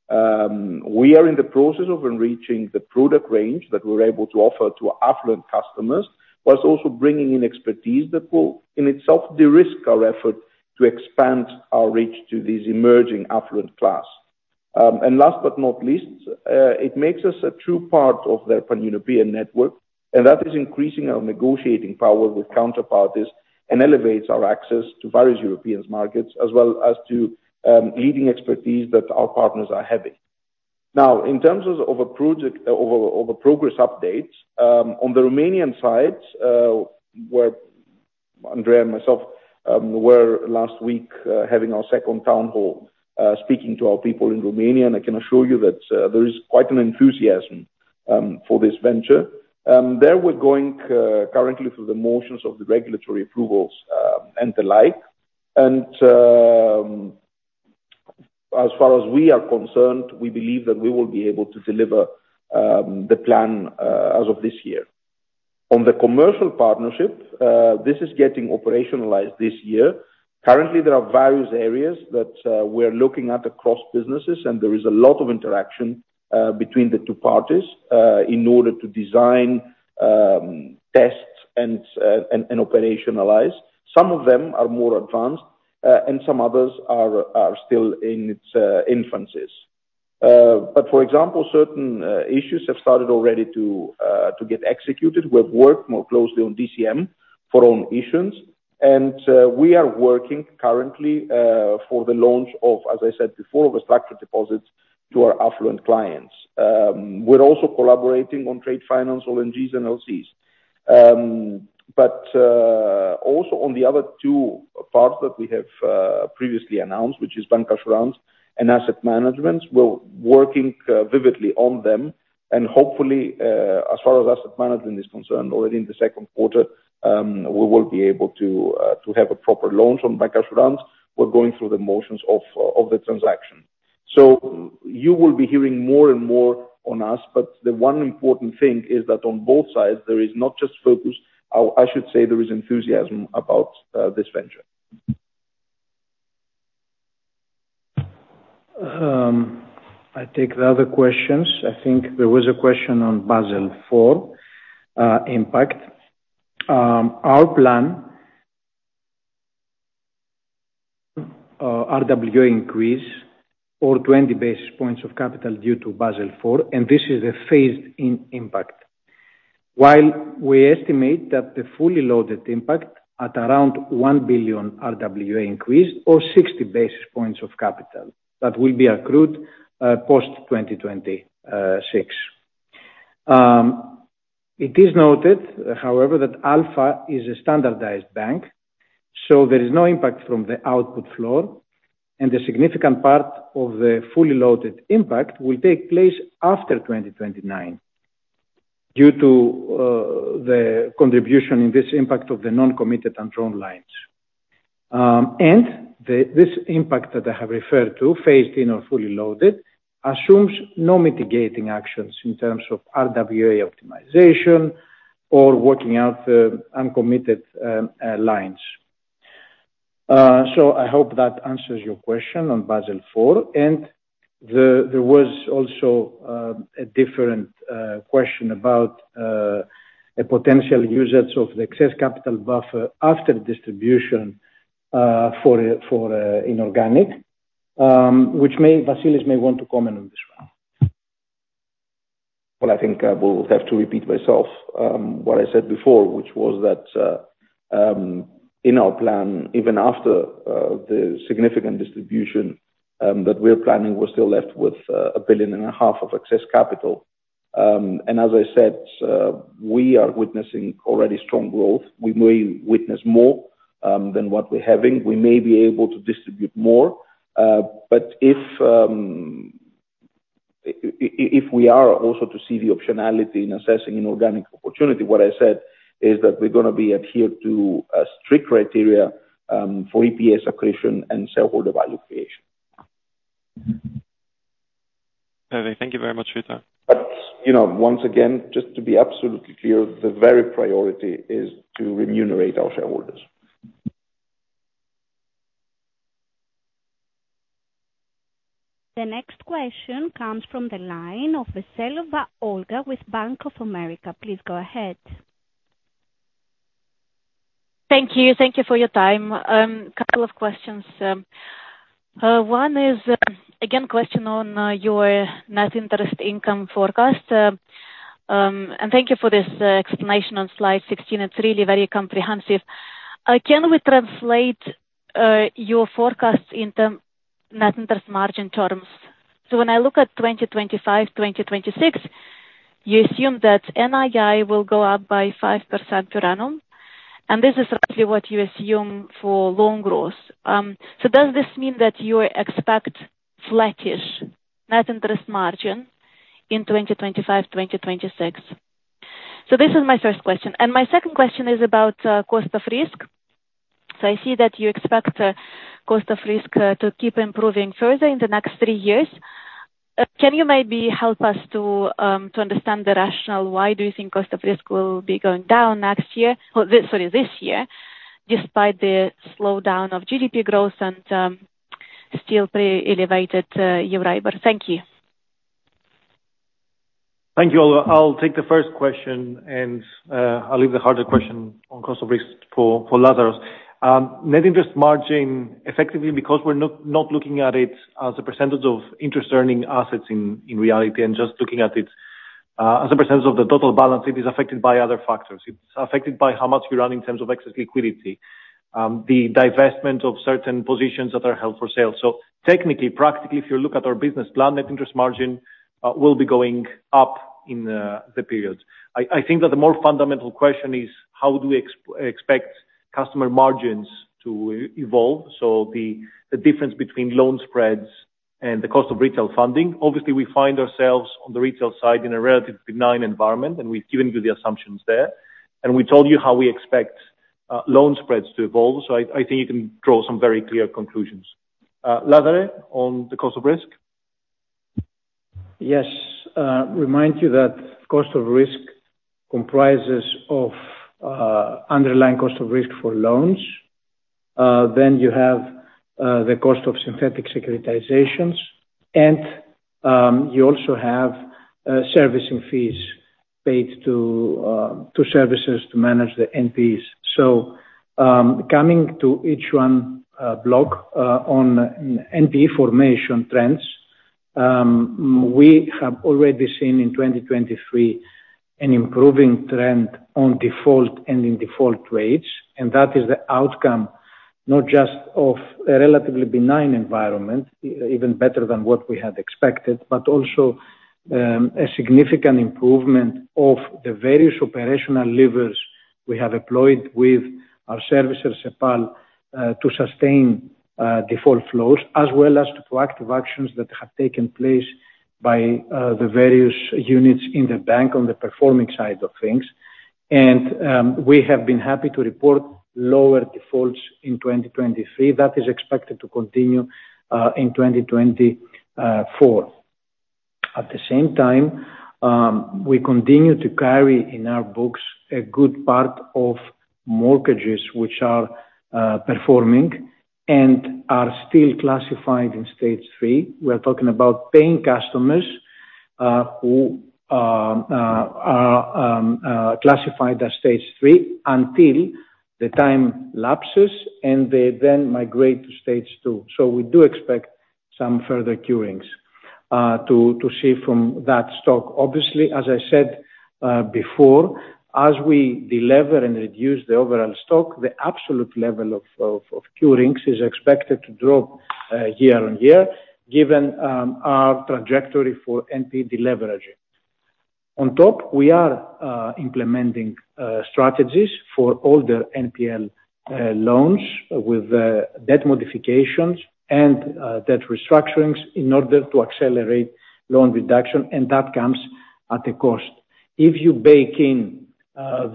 We are in the process of enriching the product range that we're able to offer to affluent customers while also bringing in expertise that will, in itself, de-risk our effort to expand our reach to these emerging affluent class. Last but not least, it makes us a true part of their pan-European network. That is increasing our negotiating power with counterparties and elevates our access to various European markets as well as to leading expertise that our partners are having. Now, in terms of the progress updates, on the Romanian side, Andrei and myself were last week having our second town hall speaking to our people in Romania. And I can assure you that there is quite an enthusiasm for this venture. There, we're going currently through the motions of the regulatory approvals and the like. And as far as we are concerned, we believe that we will be able to deliver the plan as of this year. On the commercial partnership, this is getting operationalized this year. Currently, there are various areas that we're looking at across businesses. And there is a lot of interaction between the two parties in order to design, test, and operationalize. Some of them are more advanced. And some others are still in its infancy. But for example, certain issues have started already to get executed. We have worked more closely on DCM for own issues. We are working currently for the launch of, as I said before, of a structured deposit to our affluent clients. We're also collaborating on trade finance, LGs, and LCs. But also on the other two parts that we have previously announced, which is bancassurance and asset management, we're working vividly on them. Hopefully, as far as asset management is concerned, already in the second quarter, we will be able to have a proper launch on bancassurance. We're going through the motions of the transaction. You will be hearing more and more on us. The one important thing is that on both sides, there is not just focus. I should say there is enthusiasm about this venture. I take the other questions. I think there was a question on Basel IV impact. Our plan, RWA increase of 20 basis points of capital due to Basel IV. This is the phased-in impact. While we estimate that the fully loaded impact at around 1 billion RWA increase of 60 basis points of capital that will be accrued post-2026. It is noted, however, that Alpha is a standardized bank. So there is no impact from the output floor. A significant part of the fully loaded impact will take place after 2029 due to the contribution in this impact of the uncommitted undrawn lines. This impact that I have referred to, phased in or fully loaded, assumes no mitigating actions in terms of RWA optimization or working out the uncommitted lines. So I hope that answers your question on Basel IV. There was also a different question about potential usage of the excess capital buffer after distribution inorganic, which Vasilis may want to comment on this one. Well, I think we'll have to repeat myself, what I said before, which was that in our plan, even after the significant distribution that we're planning, we're still left with 1.5 billion of excess capital. And as I said, we are witnessing already strong growth. We may witness more than what we're having. We may be able to distribute more. But if we are also to see the optionality in assessing inorganic opportunity, what I said is that we're going to be adhered to a strict criteria for EPS accretion and shareholder value creation. Perfect. Thank you very much, Rita. But once again, just to be absolutely clear, the very priority is to remunerate our shareholders. The next question comes from the line of Olga Veselova with Bank of America. Please go ahead. Thank you. Thank you for your time. Couple of questions. One is, again, a question on your net interest income forecast. Thank you for this explanation on slide 16. It's really very comprehensive. Can we translate your forecasts in net interest margin terms? So when I look at 2025, 2026, you assume that NII will go up by 5% per annum. This is roughly what you assume for loan growth. So does this mean that you expect flattish net interest margin in 2025, 2026? This is my first question. My second question is about cost of risk. I see that you expect cost of risk to keep improving further in the next three years. Can you maybe help us to understand the rationale? Why do you think cost of risk will be going down next year sorry, this year despite the slowdown of GDP growth and still pretty elevated Euribor? Thank you. Thank you, Olga. I'll take the first question. I'll leave the harder question on cost of risk for Lazaros. Net interest margin, effectively, because we're not looking at it as a percentage of interest-earning assets in reality and just looking at it as a percentage of the total balance, it is affected by other factors. It's affected by how much you run in terms of excess liquidity, the divestment of certain positions that are held for sale. So technically, practically, if you look at our business plan, net interest margin will be going up in the period. I think that the more fundamental question is, how do we expect customer margins to evolve? So the difference between loan spreads and the cost of retail funding. Obviously, we find ourselves on the retail side in a relatively benign environment. And we've given you the assumptions there. And we told you how we expect loan spreads to evolve. So I think you can draw some very clear conclusions. Lazaros, on the cost of risk? Yes. Remind you that cost of risk comprises of underlying cost of risk for loans. Then you have the cost of synthetic securitizations. And you also have servicing fees paid to servicers to manage the NPEs. So coming to each one block on NPE formation trends, we have already seen in 2023 an improving trend on default and in default rates. That is the outcome, not just of a relatively benign environment, even better than what we had expected, but also a significant improvement of the various operational levers we have employed with our servicer, Cepal, to sustain default flows as well as to proactive actions that have taken place by the various units in the bank on the performing side of things. We have been happy to report lower defaults in 2023. That is expected to continue in 2024. At the same time, we continue to carry in our books a good part of mortgages which are performing and are still classified in stage three. We are talking about paying customers who are classified as stage three until the time lapses. They then migrate to stage two. So we do expect some further curings to see from that stock. Obviously, as I said before, as we deliver and reduce the overall stock, the absolute level of curings is expected to drop year-on-year given our trajectory for NPE deleveraging. On top, we are implementing strategies for older NPL loans with debt modifications and debt restructurings in order to accelerate loan reduction. That comes at a cost. If you bake in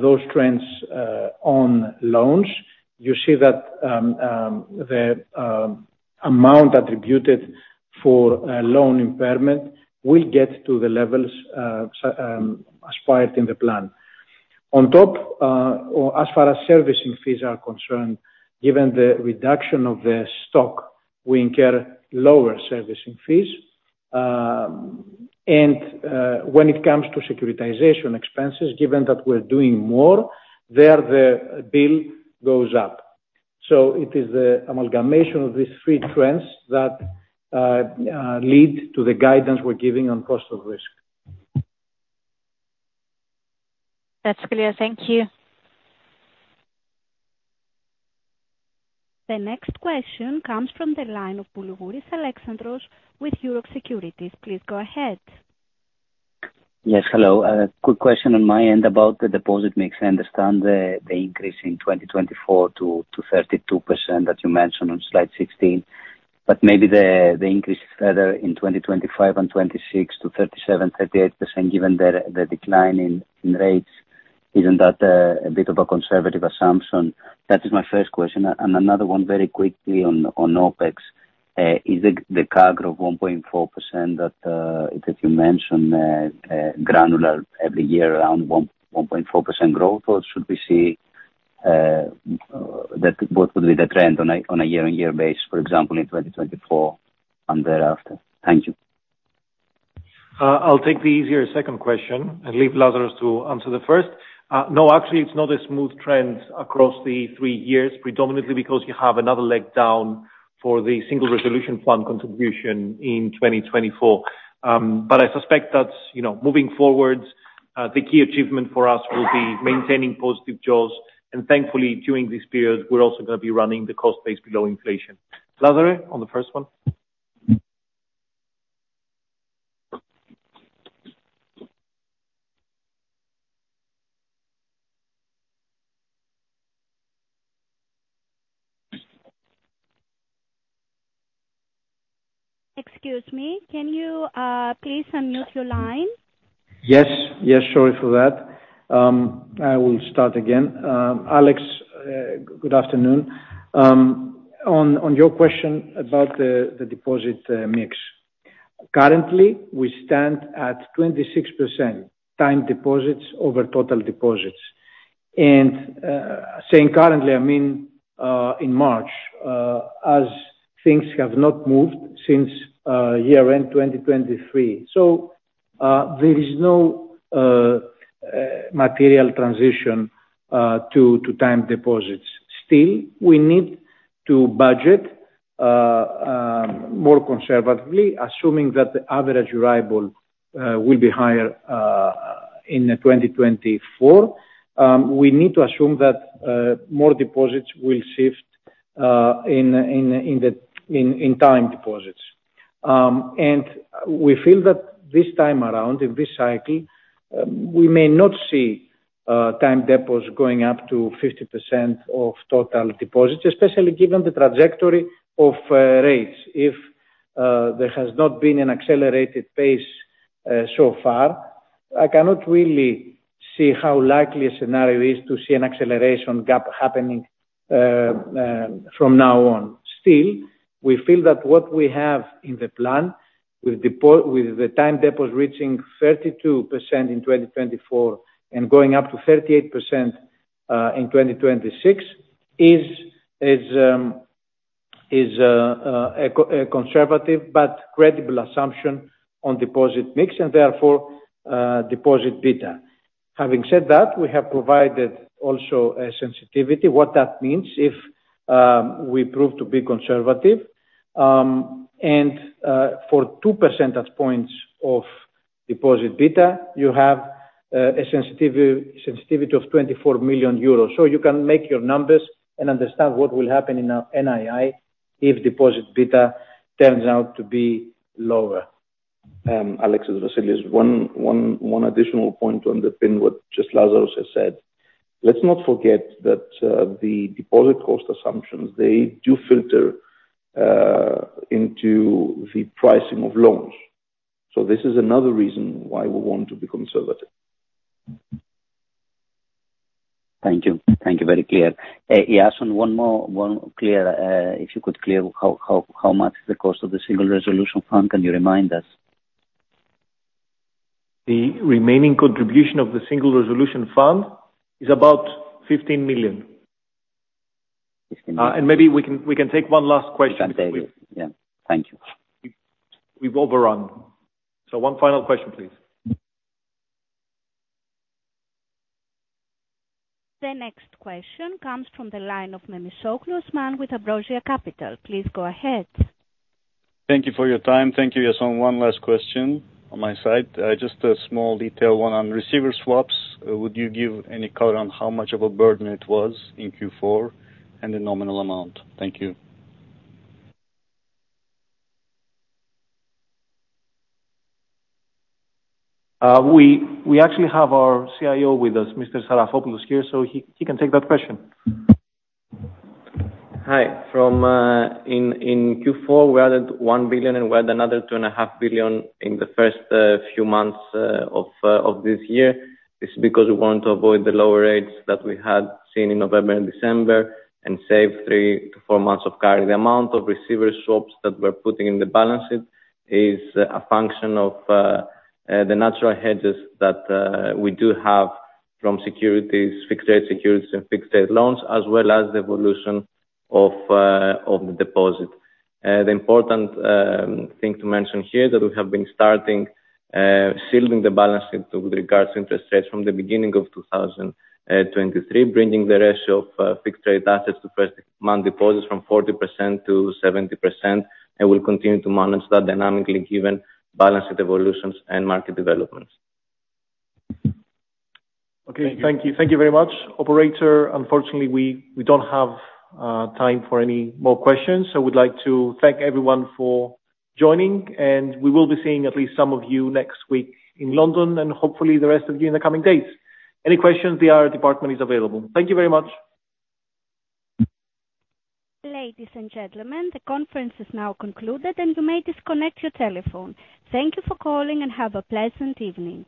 those trends on loans, you see that the amount attributed for loan impairment will get to the levels aspired in the plan. On top, as far as servicing fees are concerned, given the reduction of the stock, we incur lower servicing fees. When it comes to securitization expenses, given that we're doing more, there the bill goes up. It is the amalgamation of these three trends that lead to the guidance we're giving on cost of risk. That's clear. Thank you. The next question comes from the line of Alexandros Boulougouris with Euroxx Securities. Please go ahead. Yes. Hello. Quick question on my end about the deposit mix. I understand the increase in 2024 to 32% that you mentioned on slide 16. But maybe the increase further in 2025 and 2026 to 37%-38% given the decline in rates, isn't that a bit of a conservative assumption? That is my first question. And another one, very quickly, on OPEX. Is the CAGR of 1.4% that you mentioned granular every year around 1.4% growth? Or should we see that what would be the trend on a year-on-year basis, for example, in 2024 and thereafter? Thank you. I'll take the easier second question and leave Lazaros to answer the first. No, actually, it's not a smooth trend across the three years, predominantly because you have another leg down for the Single Resolution Fund contribution in 2024. But I suspect that moving forward, the key achievement for us will be maintaining positive jaws. And thankfully, during this period, we're also going to be running the cost base below inflation. Lazaros, on the first one. Excuse me. Can you please unmute your line? Yes. Yes. Sorry for that. I will start again. Alex, good afternoon. On your question about the deposit mix, currently, we stand at 26% time deposits over total deposits. And saying currently, I mean in March, as things have not moved since year-end 2023. So there is no material transition to time deposits. Still, we need to budget more conservatively, assuming that the average arrival will be higher in 2024. We need to assume that more deposits will shift in time deposits. We feel that this time around, in this cycle, we may not see time deposits going up to 50% of total deposits, especially given the trajectory of rates. If there has not been an accelerated pace so far, I cannot really see how likely a scenario is to see an acceleration gap happening from now on. Still, we feel that what we have in the plan, with the time deposits reaching 32% in 2024 and going up to 38% in 2026, is a conservative but credible assumption on deposit mix and, therefore, deposit beta. Having said that, we have provided also a sensitivity what that means if we prove to be conservative. For 2 percentage points of deposit beta, you have a sensitivity of 24 million euros. So you can make your numbers and understand what will happen in NII if deposit beta turns out to be lower. Alexis Vassilios, one additional point to underpin what just Lazaros has said. Let's not forget that the deposit cost assumptions, they do filter into the pricing of loans. So this is another reason why we want to be conservative. Thank you. Thank you. Very clear. Iason, one more clear if you could clear how much is the cost of the single Fesolution fund. Can you remind us? The remaining contribution of the single Resolution Fund is about 15 million. And maybe we can take one last question if you would. Yeah. Thank you. We've overrun. So one final question, please. The next question comes from the line of Osman Memisoglu with Ambrosia Capital. Please go ahead. Thank you for your time. Thank you, Iason. One last question on my side. Just a small detail on receiver swaps. Would you give any color on how much of a burden it was in Q4 and the nominal amount? Thank you. We actually have our CFO with us, Mr. Sarafopoulos, here. So he can take that question. Hi. In Q4, we added 1 billion. And we added another 2.5 billion in the first few months of this year. This is because we wanted to avoid the lower rates that we had seen in November and December and save 3-4 months of carry. The amount of receiver swaps that we're putting in the balance sheet is a function of the natural hedges that we do have from fixed-rate securities and fixed-rate loans as well as the evolution of the deposit. The important thing to mention here is that we have been starting shielding the balance sheet with regards to interest rates from the beginning of 2023, bringing the ratio of fixed-rate assets to first-month deposits from 40% to 70%. We'll continue to manage that dynamically given balance sheet evolutions and market developments. Okay. Thank you. Thank you very much. Operator, unfortunately, we don't have time for any more questions. We'd like to thank everyone for joining. We will be seeing at least some of you next week in London and hopefully the rest of you in the coming days. Any questions? The IR department is available. Thank you very much. Ladies and gentlemen, the conference is now concluded. You may disconnect your telephone. Thank you for calling. Have a pleasant evening.